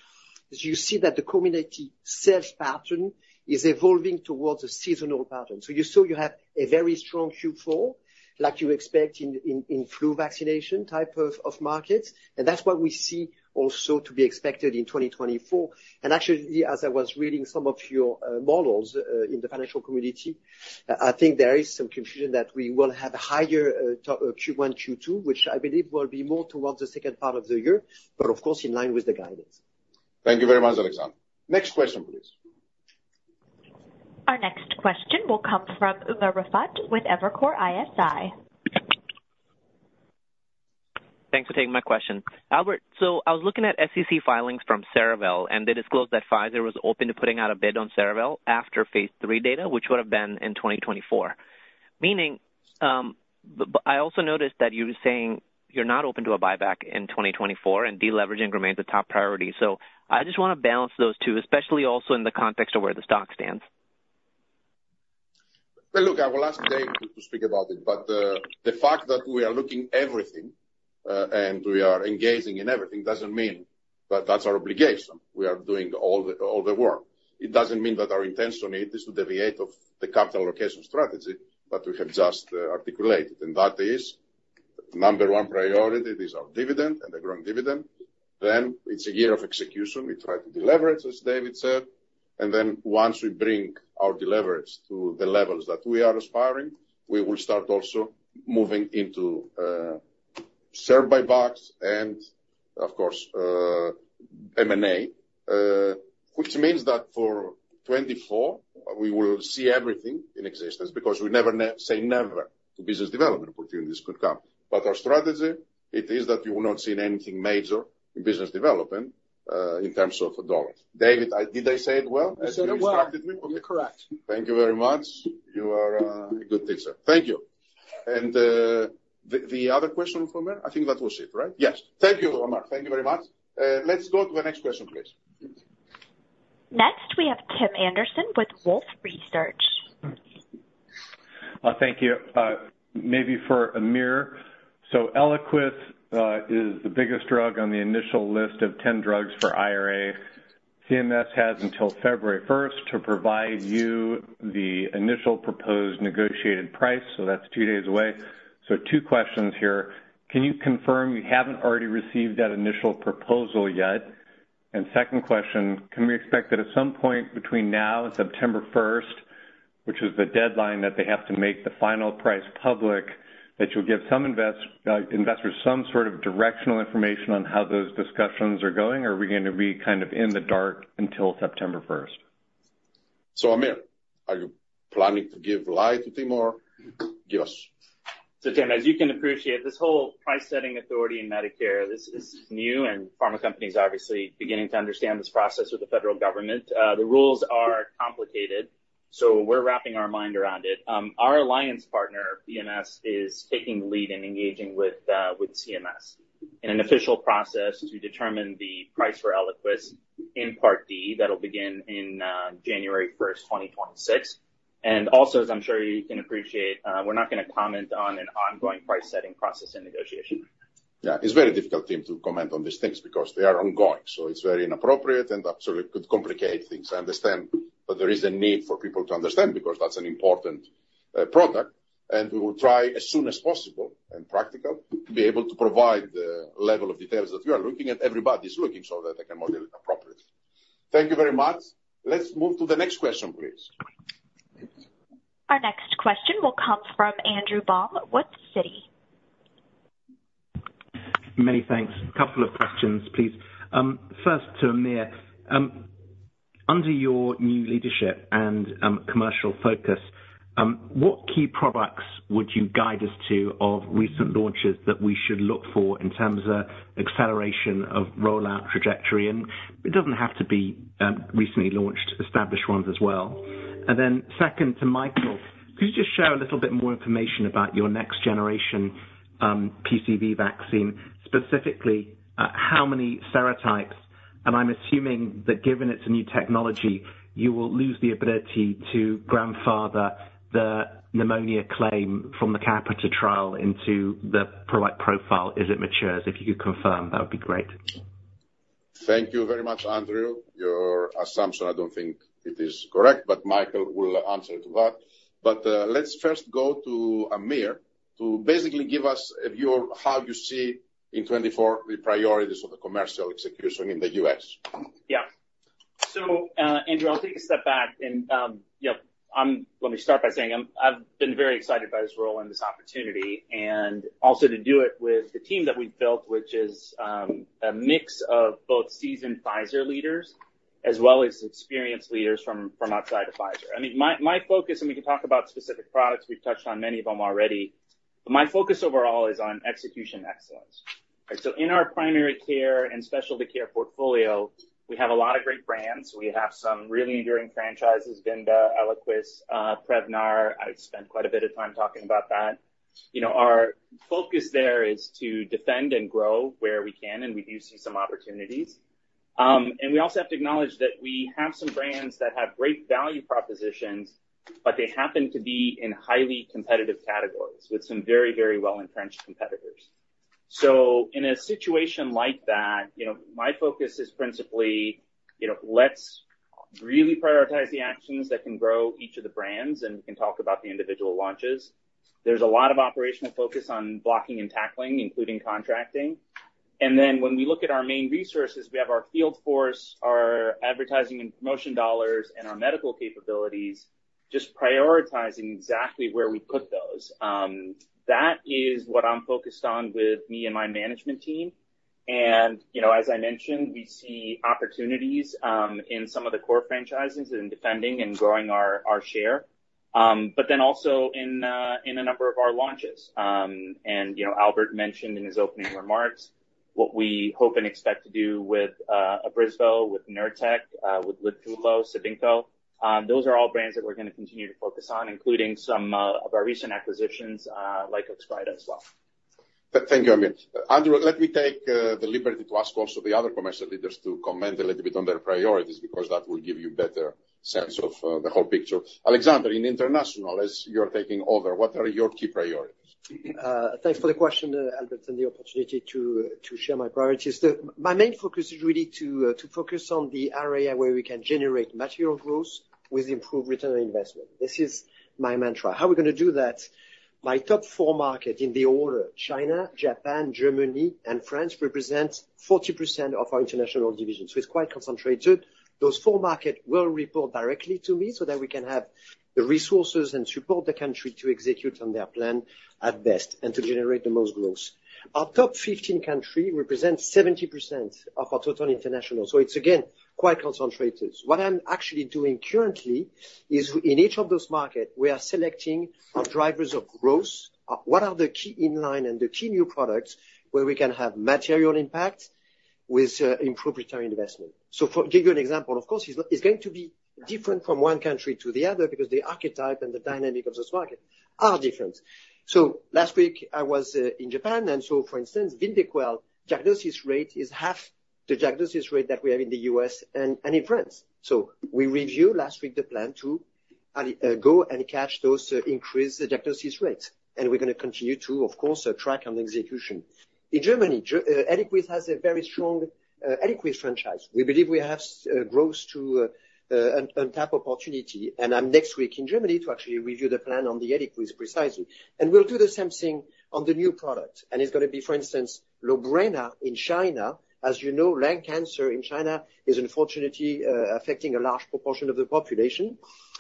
Speaker 9: as you see, that the Comirnaty sales pattern is evolving towards a seasonal pattern. So you saw you have a very strong Q4, like you expect in flu vaccination type of markets, and that's what we see also to be expected in 2024. And actually, as I was reading some of your models in the financial community, I think there is some confusion that we will have higher Q1, Q2, which I believe will be more towards the second part of the year, but of course, in line with the guidance.
Speaker 3: Thank you very much, Alexandre. Next question, please.
Speaker 1: Our next question will come from Umer Raffat with Evercore ISI.
Speaker 13: Thanks for taking my question. Albert, so I was looking at SEC filings from Cerevel, and they disclosed that Pfizer was open to putting out a bid on Cerevel after Phase III data, which would have been in 2024. Meaning, but I also noticed that you were saying you're not open to a buyback in 2024, and deleveraging remains a top priority. So I just want to balance those two, especially also in the context of where the stock stands.
Speaker 3: Well, look, I will ask Dave to speak about it, but the fact that we are looking everything, and we are engaging in everything, doesn't mean that that's our obligation. We are doing all the, all the work. It doesn't mean that our intention is to deviate from the capital allocation strategy that we have just articulated, and that is, number 1 priority is our dividend and the growing dividend. Then it's a year of execution. We try to deleverage, as David said, and then once we bring our deleverage to the levels that we are aspiring, we will start also moving into share buybacks and of course M&A. Which means that for 2024, we will see everything in existence because we never say never to business development opportunities could come. But our strategy, it is that you will not see anything major in business development in terms of dollars. David, did I say it well, as you instructed me?
Speaker 4: You said it well. You're correct.
Speaker 3: Thank you very much. You are a good teacher. Thank you. And the other question from there? I think that was it, right? Yes. Thank you, Umar. Thank you very much. Let's go to the next question, please.
Speaker 1: Next, we have Tim Anderson with Wolfe Research.
Speaker 14: Thank you. Maybe for Aamir. So Eliquis is the biggest drug on the initial list of 10 drugs for IRA. CMS has until February first to provide you the initial proposed negotiated price, so that's 2 days away. So two questions here: Can you confirm you haven't already received that initial proposal yet?... Second question, can we expect that at some point between now and September first, which is the deadline, that they have to make the final price public, that you'll give some investors some sort of directional information on how those discussions are going, or are we going to be kind of in the dark until September first?
Speaker 3: So, Aamir, are you planning to give light to team, or give us?
Speaker 8: So Tim, as you can appreciate, this whole price setting authority in Medicare, this is new, and pharma companies are obviously beginning to understand this process with the federal government. The rules are complicated, so we're wrapping our mind around it. Our alliance partner, BMS, is taking the lead in engaging with CMS in an official process to determine the price for Eliquis in Part D. That'll begin in January 1, 2026. And also, as I'm sure you can appreciate, we're not going to comment on an ongoing price-setting process and negotiation.
Speaker 3: Yeah, it's very difficult, Tim, to comment on these things because they are ongoing, so it's very inappropriate and absolutely could complicate things. I understand, but there is a need for people to understand because that's an important product, and we will try as soon as possible and practical, to be able to provide the level of details that you are looking at, everybody's looking so that they can model it appropriately. Thank you very much. Let's move to the next question, please.
Speaker 1: Our next question will come from Andrew Baum, Wolfe.
Speaker 15: Many thanks. A couple of questions, please. First to Amir. Under your new leadership and commercial focus, what key products would you guide us to of recent launches that we should look for in terms of acceleration of rollout trajectory? And it doesn't have to be recently launched, established ones as well. And then second, to Michael, could you just share a little bit more information about your next generation PCV vaccine, specifically, how many serotypes? And I'm assuming that given it's a new technology, you will lose the ability to grandfather the pneumonia claim from the CAPiTA trial into the product profile as it matures. If you could confirm, that would be great.
Speaker 3: Thank you very much, Andrew. Your assumption, I don't think it is correct, but Michael will answer to that. But, let's first go to Aamir to basically give us your, how you see in 2024 the priorities of the commercial execution in the U.S.
Speaker 8: Yeah. So, Andrew, I'll take a step back and, you know, let me start by saying I'm, I've been very excited by this role and this opportunity, and also to do it with the team that we've built, which is, a mix of both seasoned Pfizer leaders as well as experienced leaders from outside of Pfizer. I mean, my focus, and we can talk about specific products, we've touched on many of them already, but my focus overall is on execution excellence. So in our primary care and specialty care portfolio, we have a lot of great brands. We have some really enduring franchises, Vyndaqel, Eliquis, Prevnar. I've spent quite a bit of time talking about that. You know, our focus there is to defend and grow where we can, and we do see some opportunities. And we also have to acknowledge that we have some brands that have great value propositions, but they happen to be in highly competitive categories with some very, very well-entrenched competitors. So in a situation like that, you know, my focus is principally, you know, let's really prioritize the actions that can grow each of the brands, and we can talk about the individual launches. There's a lot of operational focus on blocking and tackling, including contracting. And then when we look at our main resources, we have our field force, our advertising and promotion dollars, and our medical capabilities, just prioritizing exactly where we put those. That is what I'm focused on with me and my management team. You know, as I mentioned, we see opportunities in some of the core franchises in defending and growing our share, but then also in a number of our launches. You know, Albert mentioned in his opening remarks what we hope and expect to do with Abrysvo, with Nurtec, with Litfulo, Zavzpret. Those are all brands that we're going to continue to focus on, including some of our recent acquisitions, like Oxbryta as well.
Speaker 3: Thank you, Aamir. Andrew, let me take the liberty to ask also the other commercial leaders to comment a little bit on their priorities, because that will give you a better sense of the whole picture. Alexandre, in international, as you're taking over, what are your key priorities?
Speaker 15: Thanks for the question, Albert, and the opportunity to share my priorities. My main focus is really to focus on the area where we can generate material growth with improved return on investment. This is my mantra. How are we going to do that? My top four markets in the order, China, Japan, Germany, and France, represent 40% of our international division, so it's quite concentrated. Those four markets will report directly to me so that we can have the resources and support the country to execute on their plan at best and to generate the most growth. Our top fifteen countries represent 70% of our total international, so it's again, quite concentrated. What I'm actually doing currently is in each of those markets, we are selecting our drivers of growth. What are the key in-line and the key new products where we can have material impact with improved return on investment? So, to give you an example, of course, it's going to be different from one country to the other because the archetype and the dynamic of this market are different. So last week I was in Japan, and so for instance, VYNDAQEL diagnosis rate is half the diagnosis rate that we have in the U.S. and in France. So we reviewed last week the plan to go and catch those increased diagnosis rates, and we're going to continue to, of course, track on the execution. In Germany, Eliquis has a very strong Eliquis franchise. We believe we have growth to untapped opportunity, and I'm next week in Germany to actually review the plan on the Eliquis precisely. We'll do the same thing on the new product, and it's going to be, for instance, Lorbrena in China. As you know, lung cancer in China is unfortunately affecting a large proportion of the population,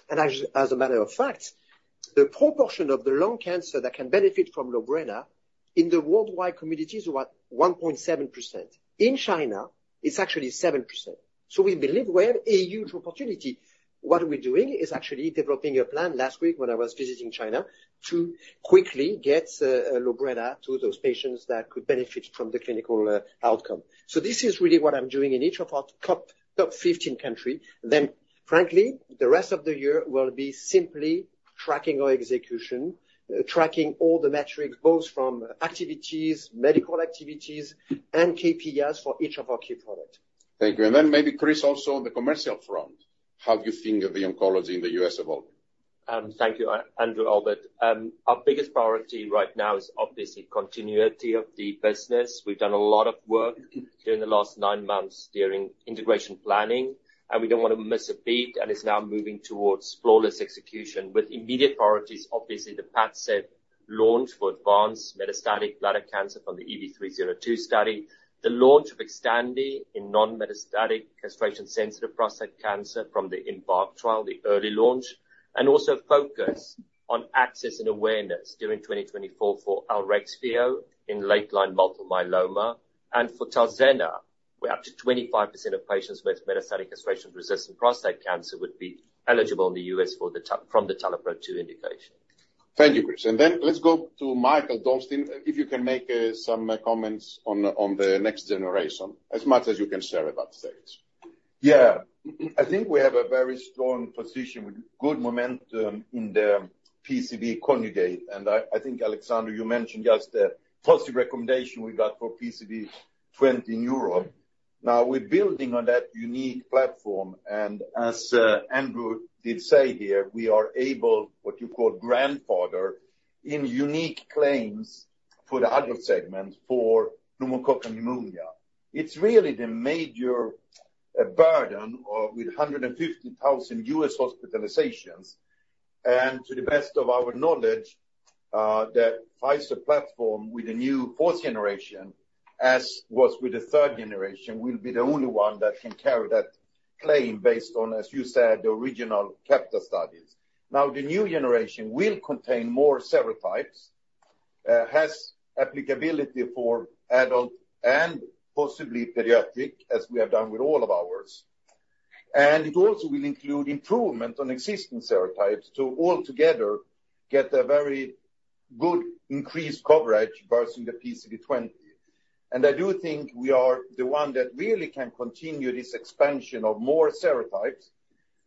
Speaker 15: and as a matter of fact, the proportion of the lung cancer that can benefit from Lorbrena in the worldwide community is about 1.7%. In China, it's actually 7%, so we believe we have a huge opportunity. What we're doing is actually developing a plan last week when I was visiting China, to quickly get Lorbrena to those patients that could benefit from the clinical outcome. So this is really what I'm doing in each of our top 15 countries. Then frankly, the rest of the year will be simply tracking our execution, tracking all the metrics, both from activities, medical activities, and KPIs for each of our key products.
Speaker 3: Thank you. Then maybe Chris, also on the commercial front, how do you think of the oncology in the U.S. evolving?
Speaker 16: Thank you, Andrew, Albert. Our biggest priority right now is obviously continuity of the business. We've done a lot of work during the last nine months during integration planning, and we don't want to miss a beat and is now moving towards flawless execution. With immediate priorities, obviously, the PADCEV launch for advanced metastatic bladder cancer from the EV-302 study. The launch of XTANDI in non-metastatic castration-sensitive prostate cancer from the EMBARK trial, the early launch, and also focus on access and awareness during 2024 for ELREXFIO in late-line multiple myeloma. For Talzenna, where up to 25% of patients with metastatic castration-resistant prostate cancer would be eligible in the U.S. for the from the TALAPRO-2 indication.
Speaker 3: Thank you, Chris. Then let's go to Mikael Dolsten. If you can make some comments on the next generation, as much as you can share about the stage.
Speaker 10: Yeah, I think we have a very strong position with good momentum in the PCV conjugate. And I, I think, Alexandre, you mentioned just the positive recommendation we got for PCV 20 in Europe. Now, we're building on that unique platform, and as, Andrew did say here, we are able, what you call, grandfather in unique claims for the adult segment for pneumococcal pneumonia. It's really the major burden of with 150,000 U.S. hospitalizations, and to the best of our knowledge, that Pfizer platform with the new fourth generation, as was with the third generation, will be the only one that can carry that claim based on, as you said, the original CAPITA studies. Now, the new generation will contain more serotypes, has applicability for adult and possibly pediatric, as we have done with all of ours. It also will include improvement on existing serotypes to altogether get a very good increased coverage versus the PCV 20. And I do think we are the one that really can continue this expansion of more serotypes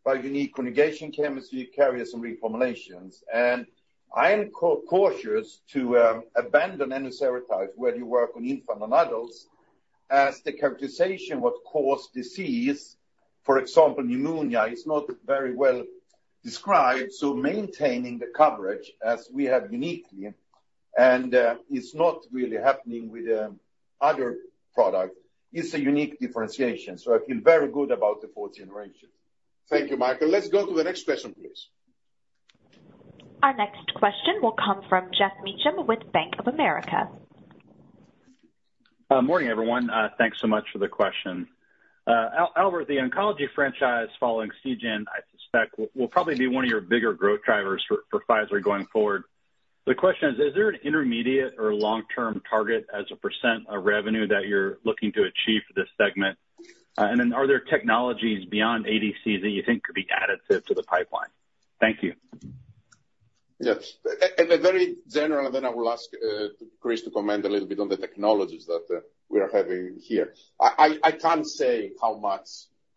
Speaker 10: by unique conjugation chemistry, carriers, and reformulations. And I am cautious to abandon any serotypes where you work on infant and adults, as the characterization what caused disease, for example, pneumonia, is not very well described. So maintaining the coverage as we have uniquely, and it's not really happening with the other product, is a unique differentiation. So I feel very good about the fourth generation.
Speaker 3: Thank you, Michael. Let's go to the next question, please.
Speaker 1: Our next question will come from Jeff Meacham with Bank of America.
Speaker 17: Morning, everyone. Thanks so much for the question. Albert, the oncology franchise following Seagen, I suspect, will probably be one of your bigger growth drivers for Pfizer going forward. The question is: Is there an intermediate or long-term target as a % of revenue that you're looking to achieve for this segment? And then are there technologies beyond ADC that you think could be additive to the pipeline? Thank you.
Speaker 3: Yes. At a very general, and then I will ask, Chris to comment a little bit on the technologies that, we are having here. I can't say how much,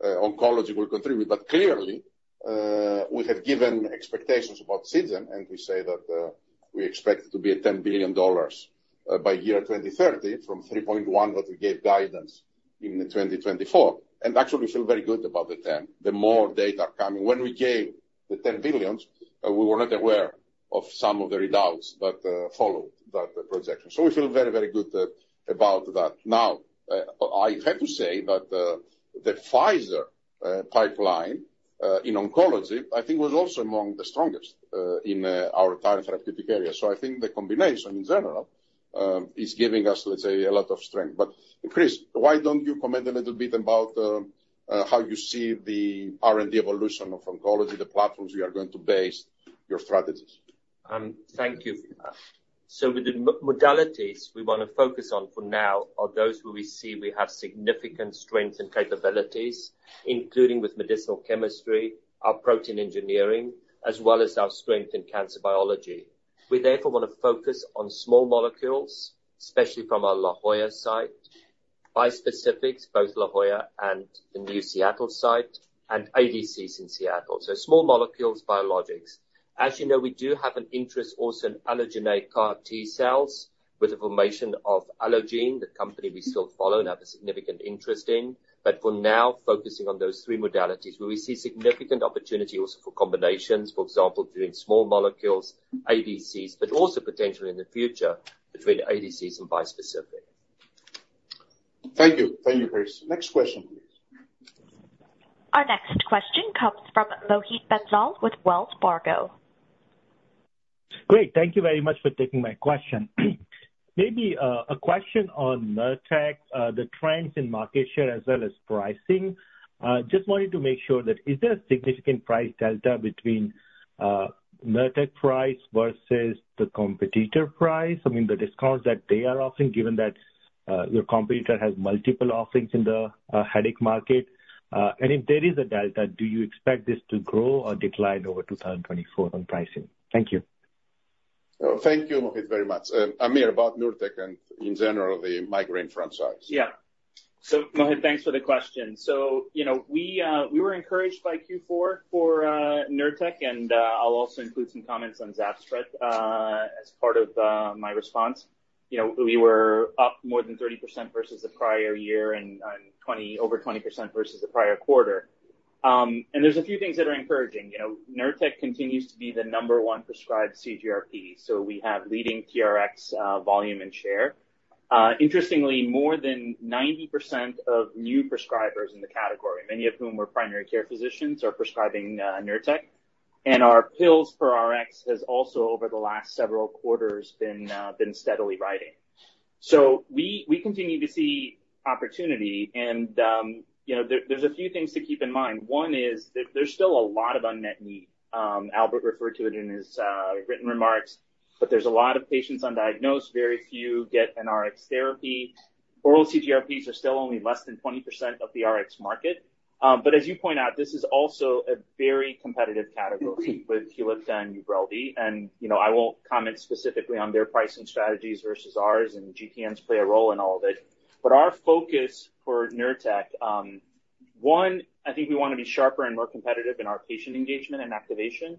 Speaker 3: oncology will contribute, but clearly, we have given expectations about Seagen, and we say that, we expect it to be at $10 billion, by 2030, from $3.1 billion that we gave guidance in 2024. And actually, we feel very good about the $10 billion. The more data coming. When we gave the $10 billion, we were not aware of some of the results, but followed that projection. So we feel very, very good about that. Now, I have to say that, the Pfizer pipeline in oncology, I think was also among the strongest in our therapeutic area. So I think the combination in general is giving us, let's say, a lot of strength. But Chris, why don't you comment a little bit about how you see the R&D evolution of oncology, the platforms we are going to base your strategies?
Speaker 16: Thank you. So the modalities we wanna focus on for now are those where we see we have significant strength and capabilities, including with medicinal chemistry, our protein engineering, as well as our strength in cancer biology. We therefore want to focus on small molecules, especially from our La Jolla site, bispecific, both La Jolla and the new Seattle site, and ADCs in Seattle. So small molecules, biologics. As you know, we do have an interest also in allogeneic CAR T cells with the formation of Allogene, the company we still follow and have a significant interest in. But for now, focusing on those three modalities, where we see significant opportunity also for combinations, for example, between small molecules, ADCs, but also potentially in the future between ADCs and bispecific.
Speaker 3: Thank you. Thank you, Chris. Next question, please.
Speaker 1: Our next question comes from Mohit Bansal with Wells Fargo....
Speaker 18: Great. Thank you very much for taking my question. Maybe a question on NURTEC, the trends in market share as well as pricing. Just wanted to make sure that is there a significant price delta between NURTEC price versus the competitor price? I mean, the discounts that they are offering, given that your competitor has multiple offerings in the headache market. And if there is a delta, do you expect this to grow or decline over 2024 on pricing? Thank you.
Speaker 3: Thank you, Mohit, very much. Aamir, about Nurtec and in general, the migraine front side.
Speaker 8: Yeah. So Mohit, thanks for the question. So, you know, we were encouraged by Q4 for Nurtec, and I'll also include some comments on Zavzpret as part of my response. You know, we were up more than 30% versus the prior year and over 20% versus the prior quarter. And there's a few things that are encouraging. You know, Nurtec continues to be the number one prescribed CGRP, so we have leading TRX volume and share. Interestingly, more than 90% of new prescribers in the category, many of whom were primary care physicians, are prescribing Nurtec. And our pills per Rx has also, over the last several quarters, been steadily rising. So we continue to see opportunity, and you know, there, there's a few things to keep in mind. One is that there's still a lot of unmet need. Albert referred to it in his written remarks, but there's a lot of patients undiagnosed, very few get an Rx therapy. Oral CGRPs are still only less than 20% of the Rx market. But as you point out, this is also a very competitive category with Qulipta and Ubrelvy, and, you know, I won't comment specifically on their pricing strategies versus ours, and GTNs play a role in all of it. But our focus for Nurtec, one, I think we want to be sharper and more competitive in our patient engagement and activation.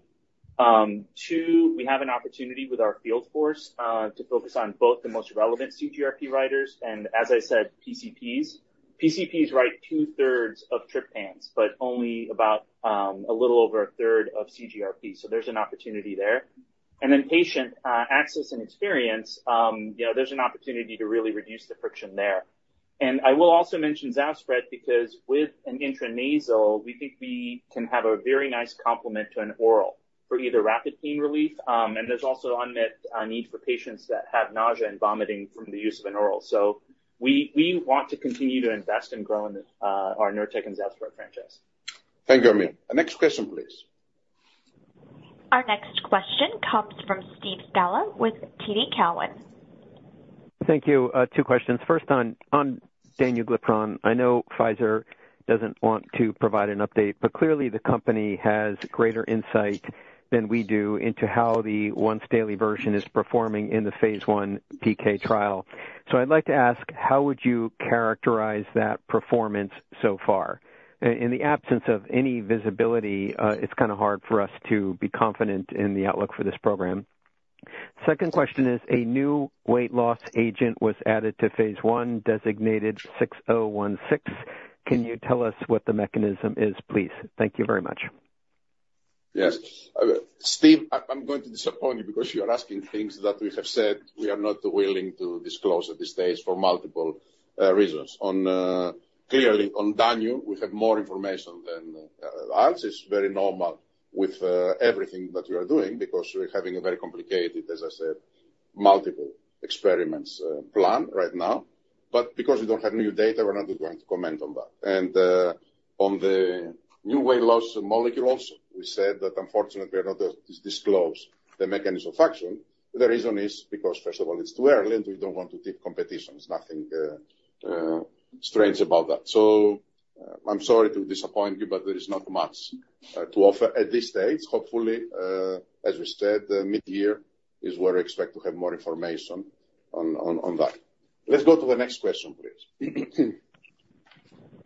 Speaker 8: Two, we have an opportunity with our field force to focus on both the most relevant CGRP writers and, as I said, PCPs. PCPs write two-thirds of triptans, but only about a little over a third of CGRP. So there's an opportunity there. And then patient access and experience, you know, there's an opportunity to really reduce the friction there. And I will also mention Zavzpret, because with an intranasal, we think we can have a very nice complement to an oral for either rapid pain relief, and there's also unmet need for patients that have nausea and vomiting from the use of an oral. So we want to continue to invest in growing our Nurtec and Zavzpret franchise.
Speaker 3: Thank you, Aamir. The next question, please.
Speaker 1: Our next question comes from Steve Scala with TD Cowen.
Speaker 19: Thank you. Two questions. First, on, on danuglipron. I know Pfizer doesn't want to provide an update, but clearly the company has greater insight than we do into how the once-daily version is performing in the Phase I PK trial. So I'd like to ask, how would you characterize that performance so far? In the absence of any visibility, it's kind of hard for us to be confident in the outlook for this program. Second question is, a new weight loss agent was added to Phase I, designated 6016. Can you tell us what the mechanism is, please? Thank you very much.
Speaker 3: Yes. Steve, I'm going to disappoint you because you are asking things that we have said we are not willing to disclose at this stage for multiple reasons. On, clearly on Danu, we have more information than others. It's very normal with everything that we are doing, because we're having a very complicated, as I said, multiple experiments planned right now. But because we don't have new data, we're not going to comment on that. And on the new weight loss molecule also, we said that unfortunately, we are not to disclose the mechanism of action. The reason is because, first of all, it's too early, and we don't want to tip competitions. Nothing strange about that. So I'm sorry to disappoint you, but there is not much to offer at this stage. Hopefully, as we said, mid-year is where I expect to have more information on that. Let's go to the next question, please.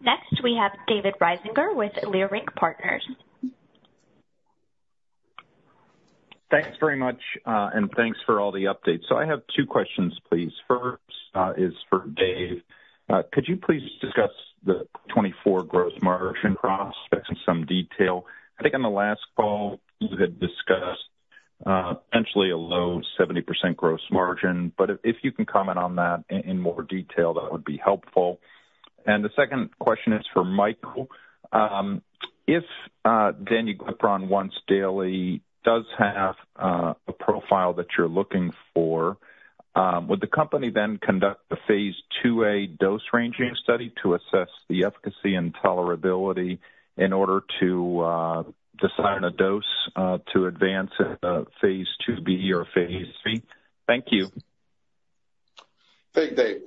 Speaker 1: Next, we have David Risinger with Leerink Partners.
Speaker 20: Thanks very much, and thanks for all the updates. So I have two questions, please. First, is for Dave. Could you please discuss the 2024 gross margin prospects in some detail? I think on the last call, you had discussed, potentially a low 70% gross margin, but if, if you can comment on that in more detail, that would be helpful. And the second question is for Michael. If, danuglipron once daily does have, a profile that you're looking for, would the company then conduct a Phase IIa dose ranging study to assess the efficacy and tolerability in order to, decide on a dose, to advance, Phase IIb or Phase III? Thank you.
Speaker 3: Thank you, Dave.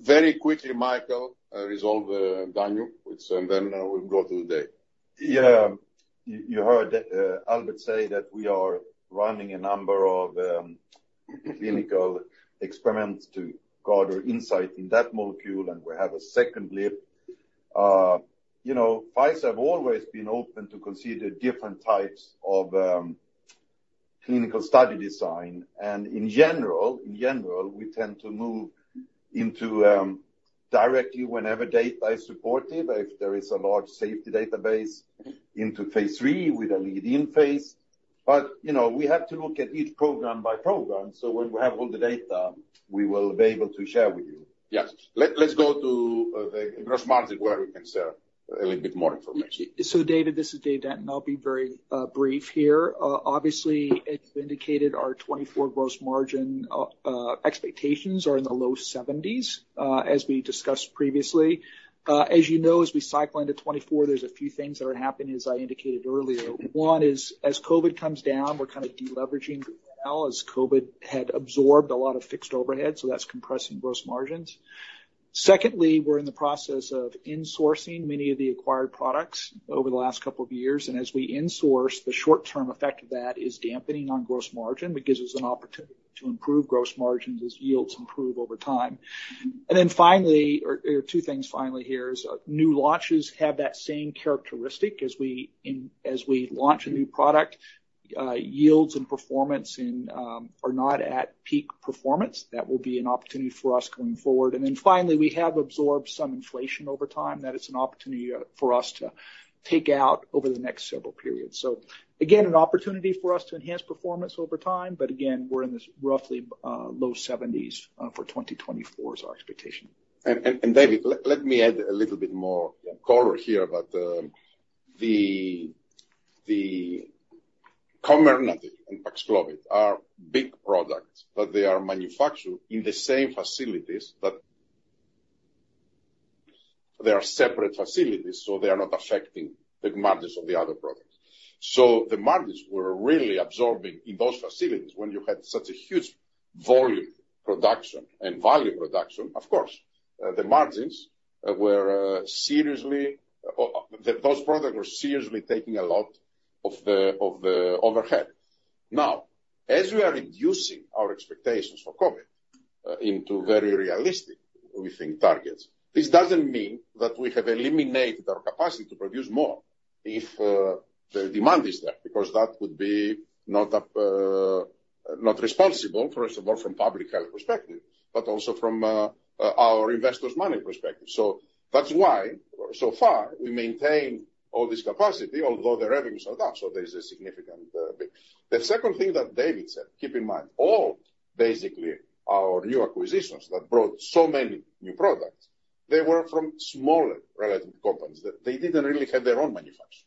Speaker 3: Very quickly, Michael, resolve, Danu, which... And then we'll go to Dave.
Speaker 10: Yeah. You, you heard Albert say that we are running a number of clinical experiments to gather insight in that molecule, and we have a second lip. You know, Pfizer have always been open to consider different types of clinical study design, and in general, in general, we tend to move into directly whenever data is supportive, if there is a large safety database, into Phase III with a lead-in phase. But, you know, we have to look at each program by program, so when we have all the data, we will be able to share with you....
Speaker 3: Yes. Let's go to the gross margin where we can share a little bit more information.
Speaker 4: So David, this is Dave Denton. I'll be very brief here. Obviously, as indicated, our 2024 gross margin expectations are in the low 70s%, as we discussed previously. As you know, as we cycle into 2024, there's a few things that are happening, as I indicated earlier. One is as COVID comes down, we're kind of deleveraging now, as COVID had absorbed a lot of fixed overhead, so that's compressing gross margins. Secondly, we're in the process of insourcing many of the acquired products over the last couple of years, and as we insource, the short-term effect of that is dampening on gross margin, but gives us an opportunity to improve gross margins as yields improve over time. Then finally, two things finally here: new launches have that same characteristic as we launch a new product. Yields and performance are not at peak performance. That will be an opportunity for us going forward. Then finally, we have absorbed some inflation over time. That is an opportunity for us to take out over the next several periods. So again, an opportunity for us to enhance performance over time, but again, we're in this roughly low 70s for 2024 is our expectation.
Speaker 3: And David, let me add a little bit more color here about the Comirnaty and Paxlovid are big products, but they are manufactured in the same facilities, but they are separate facilities, so they are not affecting the margins of the other products. So the margins were really absorbing in those facilities when you had such a huge volume production and volume production, of course, the margins were seriously—those products were seriously taking a lot of the overhead. Now, as we are reducing our expectations for COVID into very realistic, we think, targets, this doesn't mean that we have eliminated our capacity to produce more if the demand is there, because that would be not responsible, first of all, from public health perspective, but also from our investors' money perspective. So that's why, so far, we maintain all this capacity, although the revenues are down, so there's a significant bit. The second thing that David said, keep in mind, all basically our new acquisitions that brought so many new products, they were from smaller relative companies, that they didn't really have their own manufacturing.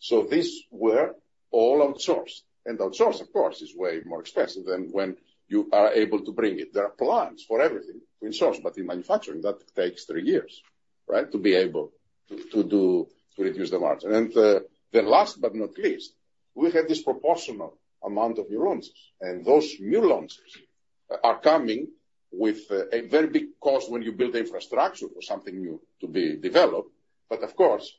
Speaker 3: So these were all outsourced, and outsource, of course, is way more expensive than when you are able to bring it. There are plans for everything in source, but in manufacturing, that takes three years, right? To be able to, to do, to reduce the margin. And the last but not least, we have this proportional amount of new launches, and those new launches are coming with a very big cost when you build infrastructure for something new to be developed. But of course,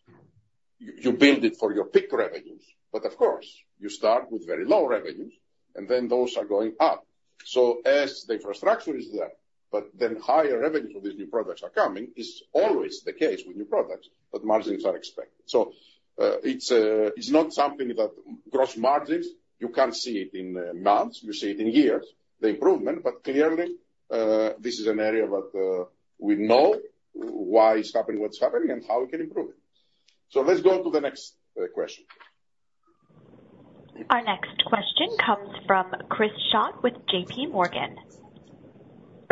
Speaker 3: you, you build it for your peak revenues. But of course, you start with very low revenues, and then those are going up. So as the infrastructure is there, but then higher revenues for these new products are coming, is always the case with new products, but margins are expected. So, it's, it's not something that gross margins, you can't see it in months, you see it in years, the improvement, but clearly, this is an area that we know why it's happening, what's happening, and how we can improve it. So let's go to the next question.
Speaker 1: Our next question comes from Chris Schott with JPMorgan.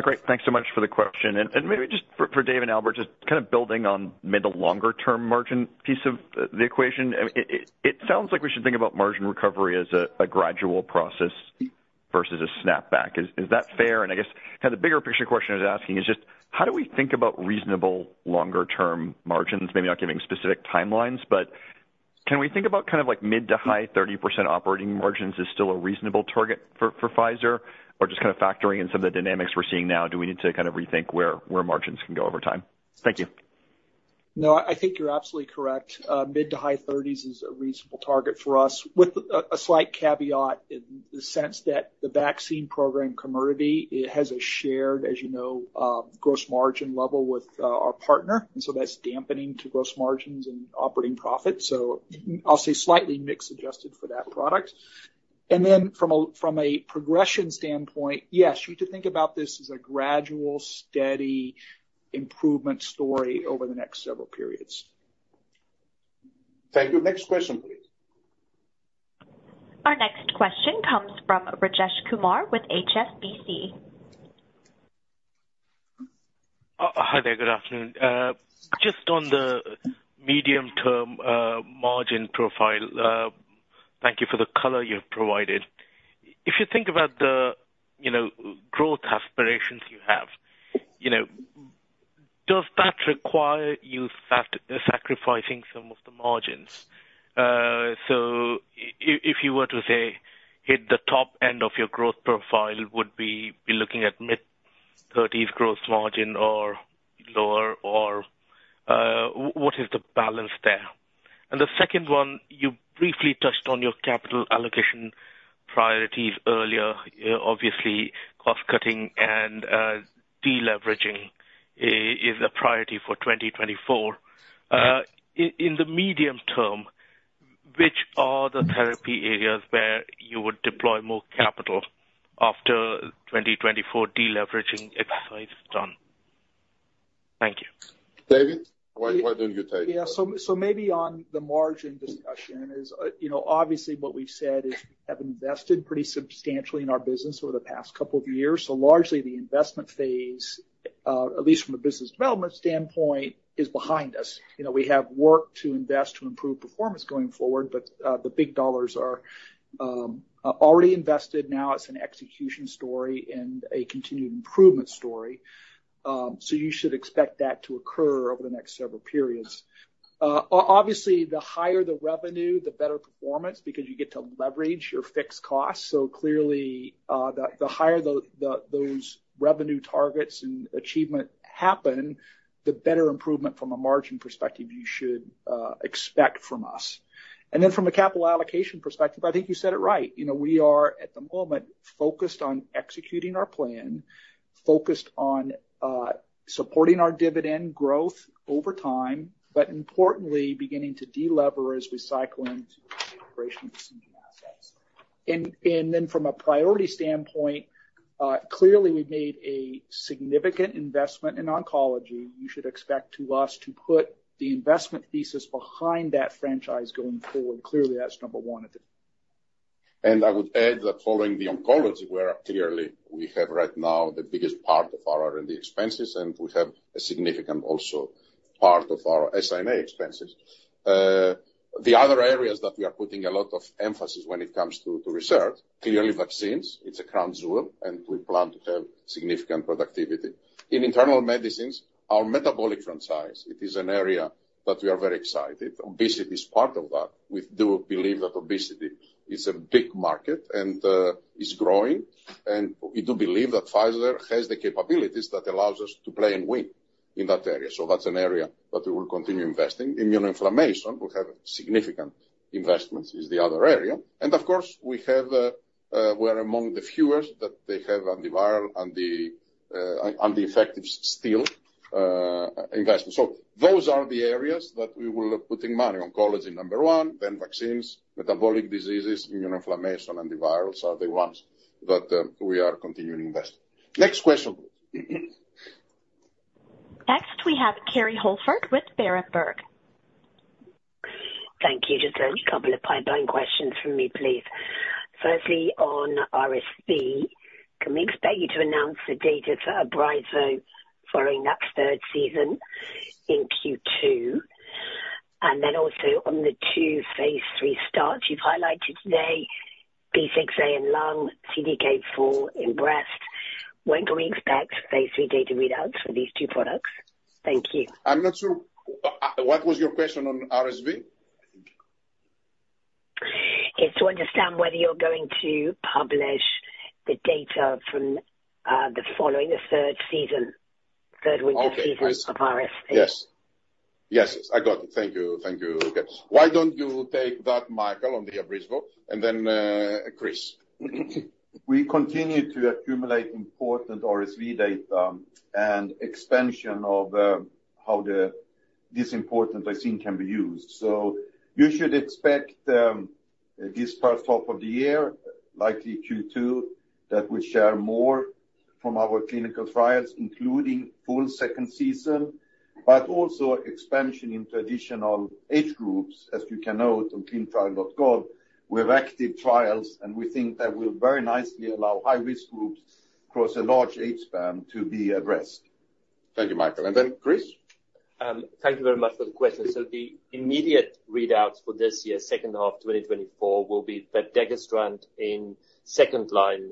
Speaker 21: Great. Thanks so much for the question. And maybe just for Dave and Albert, just kind of building on maybe the longer-term margin piece of the equation. It sounds like we should think about margin recovery as a gradual process versus a snapback. Is that fair? And I guess kind of the bigger picture question I was asking is just: How do we think about reasonable longer-term margins? Maybe not giving specific timelines, but can we think about kind of like mid- to high-30% operating margins is still a reasonable target for Pfizer? Or just kind of factoring in some of the dynamics we're seeing now, do we need to kind of rethink where margins can go over time? Thank you.
Speaker 4: No, I think you're absolutely correct. Mid to high thirties is a reasonable target for us, with a slight caveat in the sense that the vaccine program Comirnaty, it has a shared, as you know, gross margin level with our partner, and so that's dampening to gross margins and operating profits. So I'll say slightly mix adjusted for that product. And then from a progression standpoint, yes, you could think about this as a gradual, steady improvement story over the next several periods.
Speaker 3: Thank you. Next question, please.
Speaker 1: Our next question comes from Rajesh Kumar with HSBC.
Speaker 22: Hi there. Good afternoon. Just on the medium-term margin profile, thank you for the color you've provided. If you think about the, you know, growth aspirations you have, you know, does that require you sacrificing some of the margins? So if, if you were to, say, hit the top end of your growth profile, would we be looking at mid-thirties growth margin or lower, or what is the balance there? And the second one, you briefly touched on your capital allocation priorities earlier. Obviously, cost cutting and deleveraging is a priority for 2024. In the medium term, which are the therapy areas where you would deploy more capital after 2024 deleveraging exercise is done?... Thank you.
Speaker 3: David, why don't you take?
Speaker 4: Yeah, so maybe on the margin discussion is, you know, obviously what we've said is have invested pretty substantially in our business over the past couple of years. So largely the investment phase, at least from a business development standpoint, is behind us. You know, we have work to invest to improve performance going forward, but the big dollars are already invested. Now it's an execution story and a continued improvement story. So you should expect that to occur over the next several periods. Obviously, the higher the revenue, the better performance, because you get to leverage your fixed costs. So clearly, the higher the those revenue targets and achievement happen, the better improvement from a margin perspective you should expect from us. And then from a capital allocation perspective, I think you said it right. You know, we are, at the moment, focused on executing our plan, focused on supporting our dividend growth over time, but importantly, beginning to de-leverage, recycling operations assets. Then from a priority standpoint, clearly we've made a significant investment in oncology. You should expect to us to put the investment thesis behind that franchise going forward. Clearly, that's number one of it.
Speaker 3: I would add that following the oncology, where clearly we have right now the biggest part of our R&D expenses, and we have a significant also part of our SI&A expenses. The other areas that we are putting a lot of emphasis when it comes to, to research, clearly vaccines. It's a crown jewel, and we plan to have significant productivity. In internal medicines, our metabolic franchise, it is an area that we are very excited. Obesity is part of that. We do believe that obesity is a big market and, is growing, and we do believe that Pfizer has the capabilities that allows us to play and win in that area. So that's an area that we will continue investing. Immunoinflammation, we have significant investments, is the other area. And of course, we have, we're among the fewest that they have antiviral and the, and the effective still, investment. So those are the areas that we will be putting money. Oncology, number one, then vaccines, metabolic diseases, immunoinflammation, antivirals are the ones that, we are continuing to invest. Next question, please.
Speaker 1: Next, we have Carrie Holford with Berenberg.
Speaker 23: Thank you. Just a couple of pipeline questions from me, please. Firstly, on RSV, can we expect you to announce the data for Abrysvo following that third season in Q2? And then also on the two Phase III starts you've highlighted today, B6A in lung, CDK4 in breast. When can we expect Phase III data readouts for these two products? Thank you.
Speaker 3: I'm not sure. What was your question on RSV?
Speaker 23: It's to understand whether you're going to publish the data from the following, the third season, third winter season of RSV.
Speaker 3: Yes. Yes, I got it. Thank you. Thank you. Okay. Why don't you take that, Michael, on the Abrysvo, and then, Chris?
Speaker 10: We continue to accumulate important RSV data, and expansion of how this important vaccine can be used. So you should expect this first half of the year, likely Q2, that we share more from our clinical trials, including full second season, but also expansion in traditional age groups. As you can note on ClinicalTrials.gov, we have active trials, and we think that will very nicely allow high-risk groups across a large age span to be addressed.
Speaker 3: Thank you, Michael. And then Chris?
Speaker 16: Thank you very much for the question. So the immediate readouts for this year, second half, 2024, will be vepdegestrant in second line,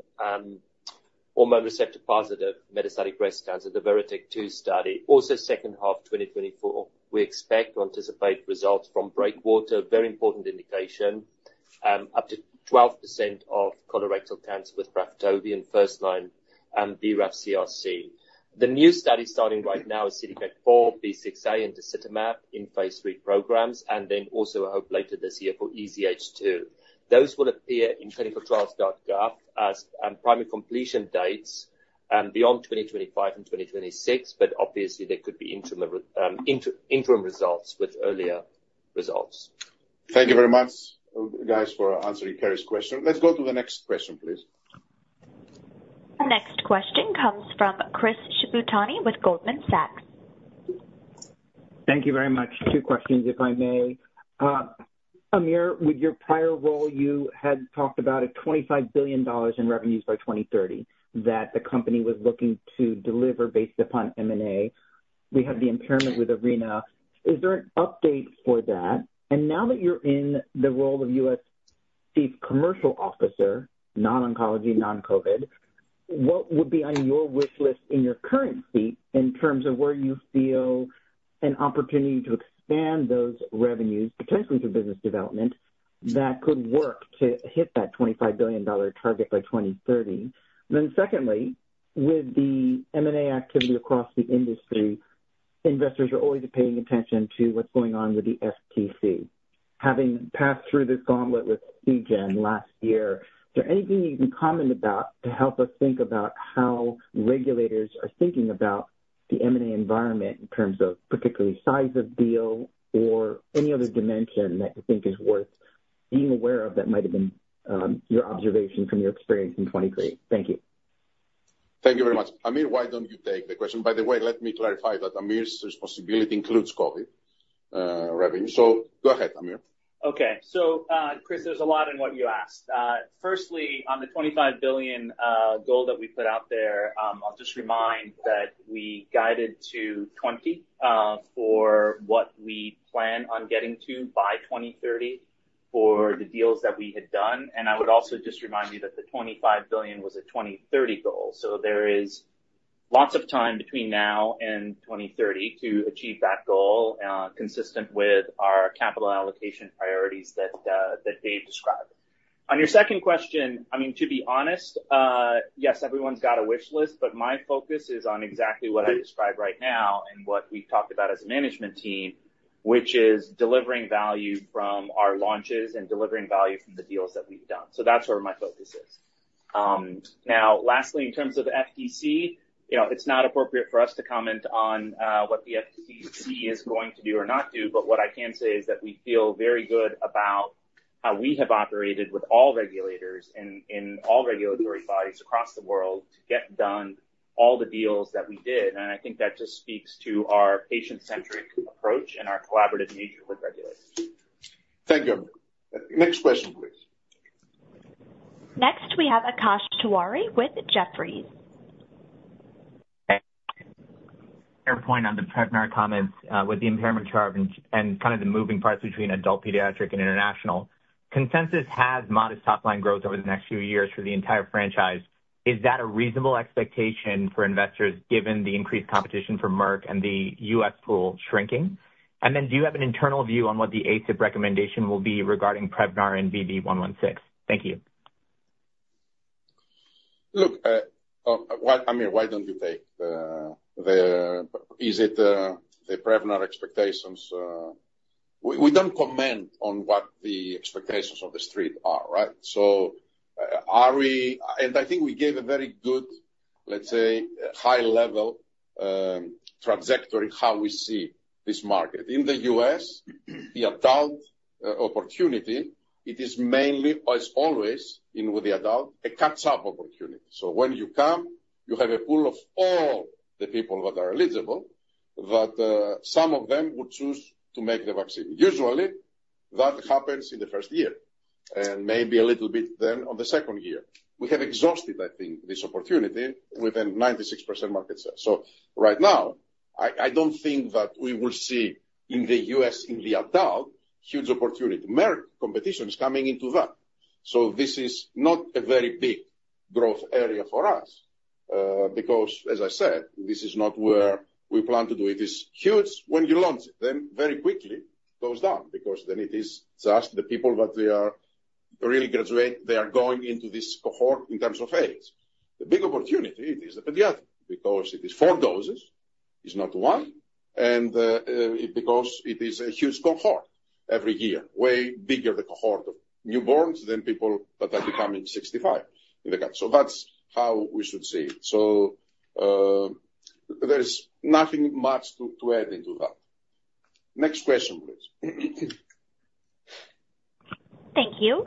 Speaker 16: hormone receptor-positive metastatic breast cancer, the Veritac-2 study. Also second half, 2024, we expect to anticipate results from Breakwater, very important indication, up to 12% of colorectal cancer with Braftovi in first line, BRAF CRC. The new study starting right now is CDK4, B6A, and docetaxel in Phase III programs, and then also I hope later this year for EZH2. Those will appear in clinicaltrials.gov as primary completion dates beyond 2025 and 2026, but obviously there could be interim results with earlier results.
Speaker 3: Thank you very much, guys, for answering Carrie's question. Let's go to the next question, please.
Speaker 1: The next question comes from Chris Shibutani with Goldman Sachs.
Speaker 24: Thank you very much. Two questions, if I may. Aamir, with your prior role, you had talked about $25 billion in revenues by 2030, that the company was looking to deliver based upon M&A. We have the impairment with Arena. Is there an update for that? And now that you're in the role of U.S. chief commercial officer, non-oncology, non-COVID, what would be on your wish list in your current seat in terms of where you feel an opportunity to expand those revenues, potentially through business development, that could work to hit that $25 billion target by 2030? Then secondly, with the M&A activity across the industry, investors are always paying attention to what's going on with the FTC. Having passed through this gauntlet with Seagen last year, is there anything you can comment about to help us think about how regulators are thinking about the M&A environment in terms of particularly size of deal or any other dimension that you think is worth being aware of that might have been your observation from your experience in 2023. Thank you.
Speaker 3: Thank you very much. Amir, why don't you take the question? By the way, let me clarify that Amir's responsibility includes COVID revenue. So go ahead, Amir.
Speaker 8: Okay. So, Chris, there's a lot in what you asked. Firstly, on the $25 billion goal that we put out there, I'll just remind that we guided to $20 for what we plan on getting to by 2030 for the deals that we had done. And I would also just remind you that the $25 billion was a 2030 goal. So there is lots of time between now and 2030 to achieve that goal, consistent with our capital allocation priorities that, that Dave described. On your second question, I mean, to be honest, yes, everyone's got a wish list, but my focus is on exactly what I described right now and what we've talked about as a management team, which is delivering value from our launches and delivering value from the deals that we've done. So that's where my focus is. Now, lastly, in terms of FTC, you know, it's not appropriate for us to comment on what the FTC is going to do or not do, but what I can say is that we feel very good about how we have operated with all regulators and in all regulatory bodies across the world to get done all the deals that we did. I think that just speaks to our patient-centric approach and our collaborative nature with regulators.
Speaker 3: Thank you. Next question, please.
Speaker 1: Next, we have Akash Tewari with Jefferies.
Speaker 25: Fair point on the Prevnar comments, with the impairment charge and kind of the moving parts between adult, pediatric, and international. Consensus has modest top-line growth over the next few years for the entire franchise. Is that a reasonable expectation for investors, given the increased competition from Merck and the U.S. pool shrinking? And then do you have an internal view on what the ACIP recommendation will be regarding Prevnar and V116? Thank you.
Speaker 3: Look, why, Amir, why don't you take the... Is it the Prevnar expectations? We don't comment on what the expectations of the street are, right? So are we— And I think we gave a very good, let's say, high level trajectory, how we see this market. In the U.S., the adult opportunity, it is mainly, as always, in with the adult, a catch-up opportunity. So when you come, you have a pool of all the people that are eligible, but some of them would choose to make the vaccine. Usually, that happens in the first year and maybe a little bit then on the second year. We have exhausted, I think, this opportunity within 96% market share. So right now, I don't think that we will see in the U.S., in the adult, huge opportunity. Merck competition is coming into that. So this is not a very big growth area for us, because as I said, this is not where we plan to do. It is huge when you launch it, then very quickly goes down because then it is just the people that they are really graduate, they are going into this cohort in terms of age. The big opportunity is the pediatric, because it is 4 doses, it's not 1, and, because it is a huge cohort every year, way bigger the cohort of newborns than people that are becoming 65 in the country. So that's how we should see it. So, there's nothing much to add into that. Next question, please.
Speaker 1: Thank you.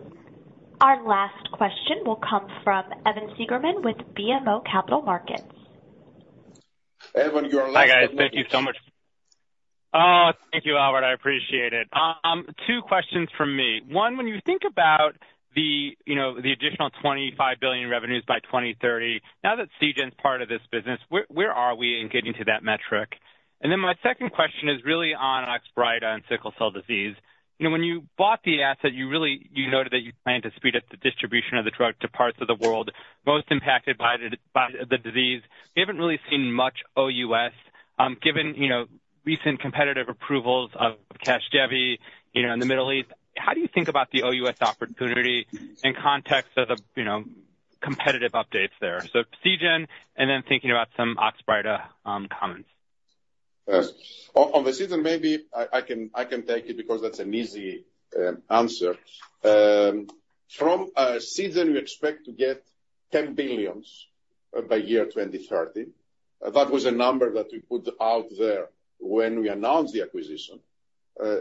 Speaker 1: Our last question will come from Evan Seigerman with BMO Capital Markets.
Speaker 3: Evan, you're last-
Speaker 26: Hi, guys. Thank you so much. Oh, thank you, Albert. I appreciate it. Two questions from me. One, when you think about the, you know, the additional $25 billion revenues by 2030, now that Seagen's part of this business, where, where are we in getting to that metric? And then my second question is really on Oxbryta and sickle cell disease. You know, when you bought the asset, you really, you noted that you planned to speed up the distribution of the drug to parts of the world most impacted by the, by the disease. We haven't really seen much OUS, given, you know, recent competitive approvals of Casgevy, you know, in the Middle East. How do you think about the OUS opportunity in context of the, you know, competitive updates there? So Seagen, and then thinking about some Oxbryta comments.
Speaker 3: Yes. On the Seagen, maybe I can take it because that's an easy answer. From Seagen, we expect to get $10 billion by year 2030. That was a number that we put out there when we announced the acquisition.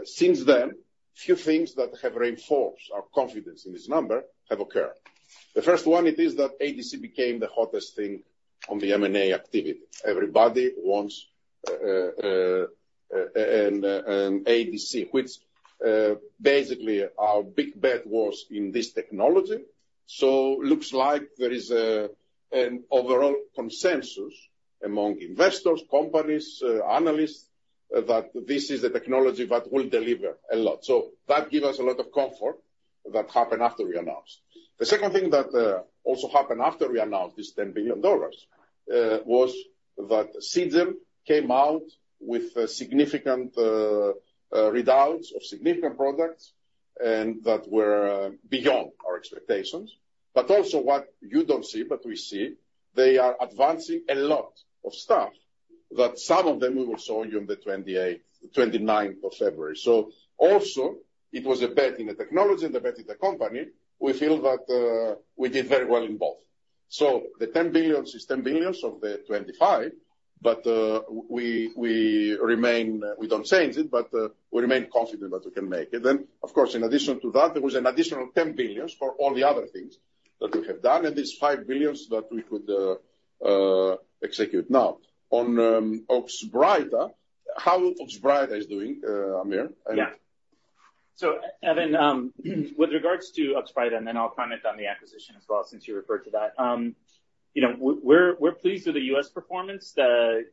Speaker 3: Since then, few things that have reinforced our confidence in this number have occurred. The first one, it is that ADC became the hottest thing on the M&A activity. Everybody wants an ADC, which basically our big bet was in this technology. So looks like there is an overall consensus among investors, companies, analysts, that this is a technology that will deliver a lot. So that give us a lot of comfort that happened after we announced. The second thing that also happened after we announced this $10 billion was that Seagen came out with significant readouts of significant products and that were beyond our expectations, but also what you don't see, but we see, they are advancing a lot of stuff that some of them we will show you on the 28th, 29th of February. So also, it was a bet in the technology and a bet in the company. We feel that we did very well in both. So the $10 billion is $10 billion of the 25.... But we remain, we don't change it, but we remain confident that we can make it. Then, of course, in addition to that, there was an additional $10 billion for all the other things that we have done, and these $5 billion that we could execute. Now, on Oxbryta, how Oxbryta is doing, Aamir?
Speaker 8: Yeah. So, Evan, with regards to Oxbryta, and then I'll comment on the acquisition as well, since you referred to that. You know, we're pleased with the U.S. performance. The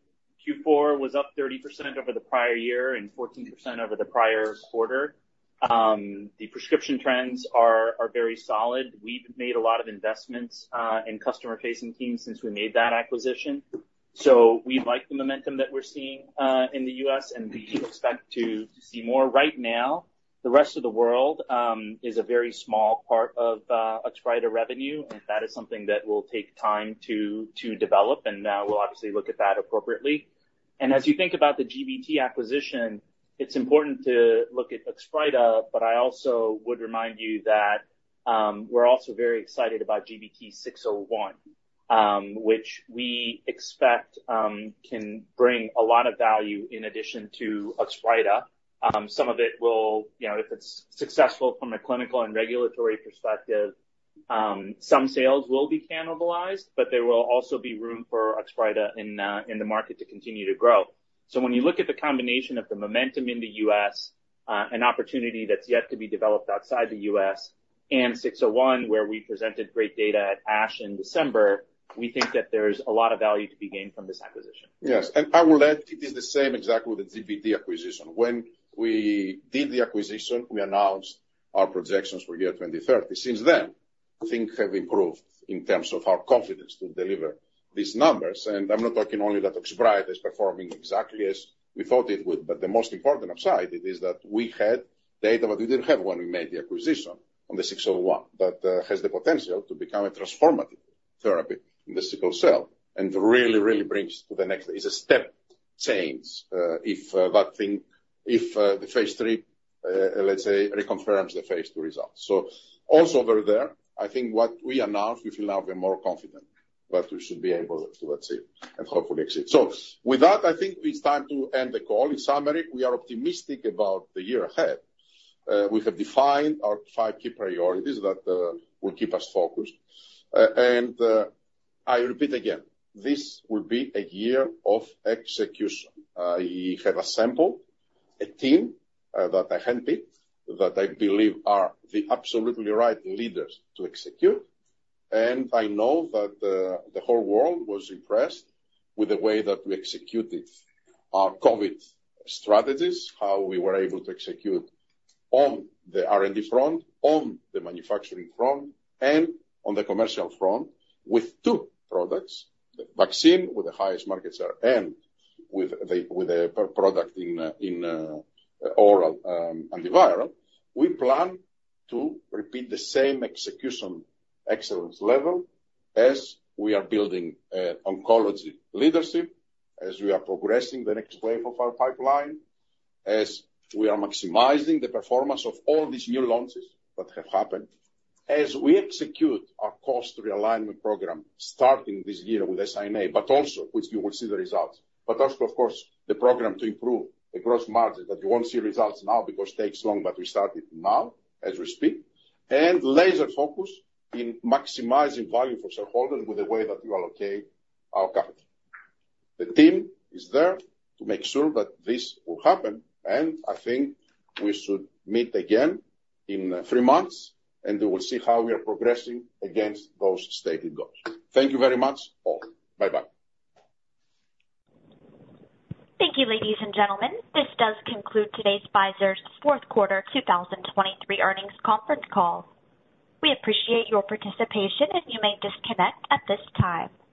Speaker 8: Q4 was up 30% over the prior year and 14% over the prior quarter. The prescription trends are very solid. We've made a lot of investments in customer-facing teams since we made that acquisition. So we like the momentum that we're seeing in the U.S., and we expect to see more. Right now, the rest of the world is a very small part of Oxbryta revenue, and that is something that will take time to develop, and we'll obviously look at that appropriately. As you think about the GBT acquisition, it's important to look at Oxbryta, but I also would remind you that we're also very excited about GBT601, which we expect can bring a lot of value in addition to Oxbryta. Some of it will, you know, if it's successful from a clinical and regulatory perspective, some sales will be cannibalized, but there will also be room for Oxbryta in the market to continue to grow. So when you look at the combination of the momentum in the U.S., an opportunity that's yet to be developed outside the U.S., and 601, where we presented great data at ASH in December, we think that there's a lot of value to be gained from this acquisition.
Speaker 3: Yes, and I will add, it is the same exact with the GBT acquisition. When we did the acquisition, we announced our projections for year 2030. Since then, things have improved in terms of our confidence to deliver these numbers, and I'm not talking only that Oxbryta is performing exactly as we thought it would, but the most important upside it is that we had data, but we didn't have when we made the acquisition on the 601, that has the potential to become a transformative therapy in the sickle cell and really, really brings to the next- It's a step change, if that thing, if the Phase III, let's say, reconfirms the phase two results. So also over there, I think what we announced, we feel now we're more confident that we should be able to achieve and hopefully exceed. So with that, I think it's time to end the call. In summary, we are optimistic about the year ahead. We have defined our five key priorities that will keep us focused. I repeat again, this will be a year of execution. We have assembled a team that I handpicked, that I believe are the absolutely right leaders to execute. I know that the whole world was impressed with the way that we executed our COVID strategies, how we were able to execute on the R&D front, on the manufacturing front, and on the commercial front with two products, the vaccine with the highest market share and with the product in oral antiviral. We plan to repeat the same execution excellence level as we are building oncology leadership, as we are progressing the next wave of our pipeline, as we are maximizing the performance of all these new launches that have happened, as we execute our cost realignment program, starting this year with SI&A, but also which you will see the results. But also, of course, the program to improve the gross margin, that you won't see results now because it takes long, but we start it now, as we speak, and laser focus in maximizing value for shareholders with the way that we allocate our capital. The team is there to make sure that this will happen, and I think we should meet again in three months, and we will see how we are progressing against those stated goals. Thank you very much, all. Bye-bye.
Speaker 1: Thank you, ladies and gentlemen. This does conclude today's Pfizer's fourth quarter 2023 earnings conference call. We appreciate your participation, and you may disconnect at this time.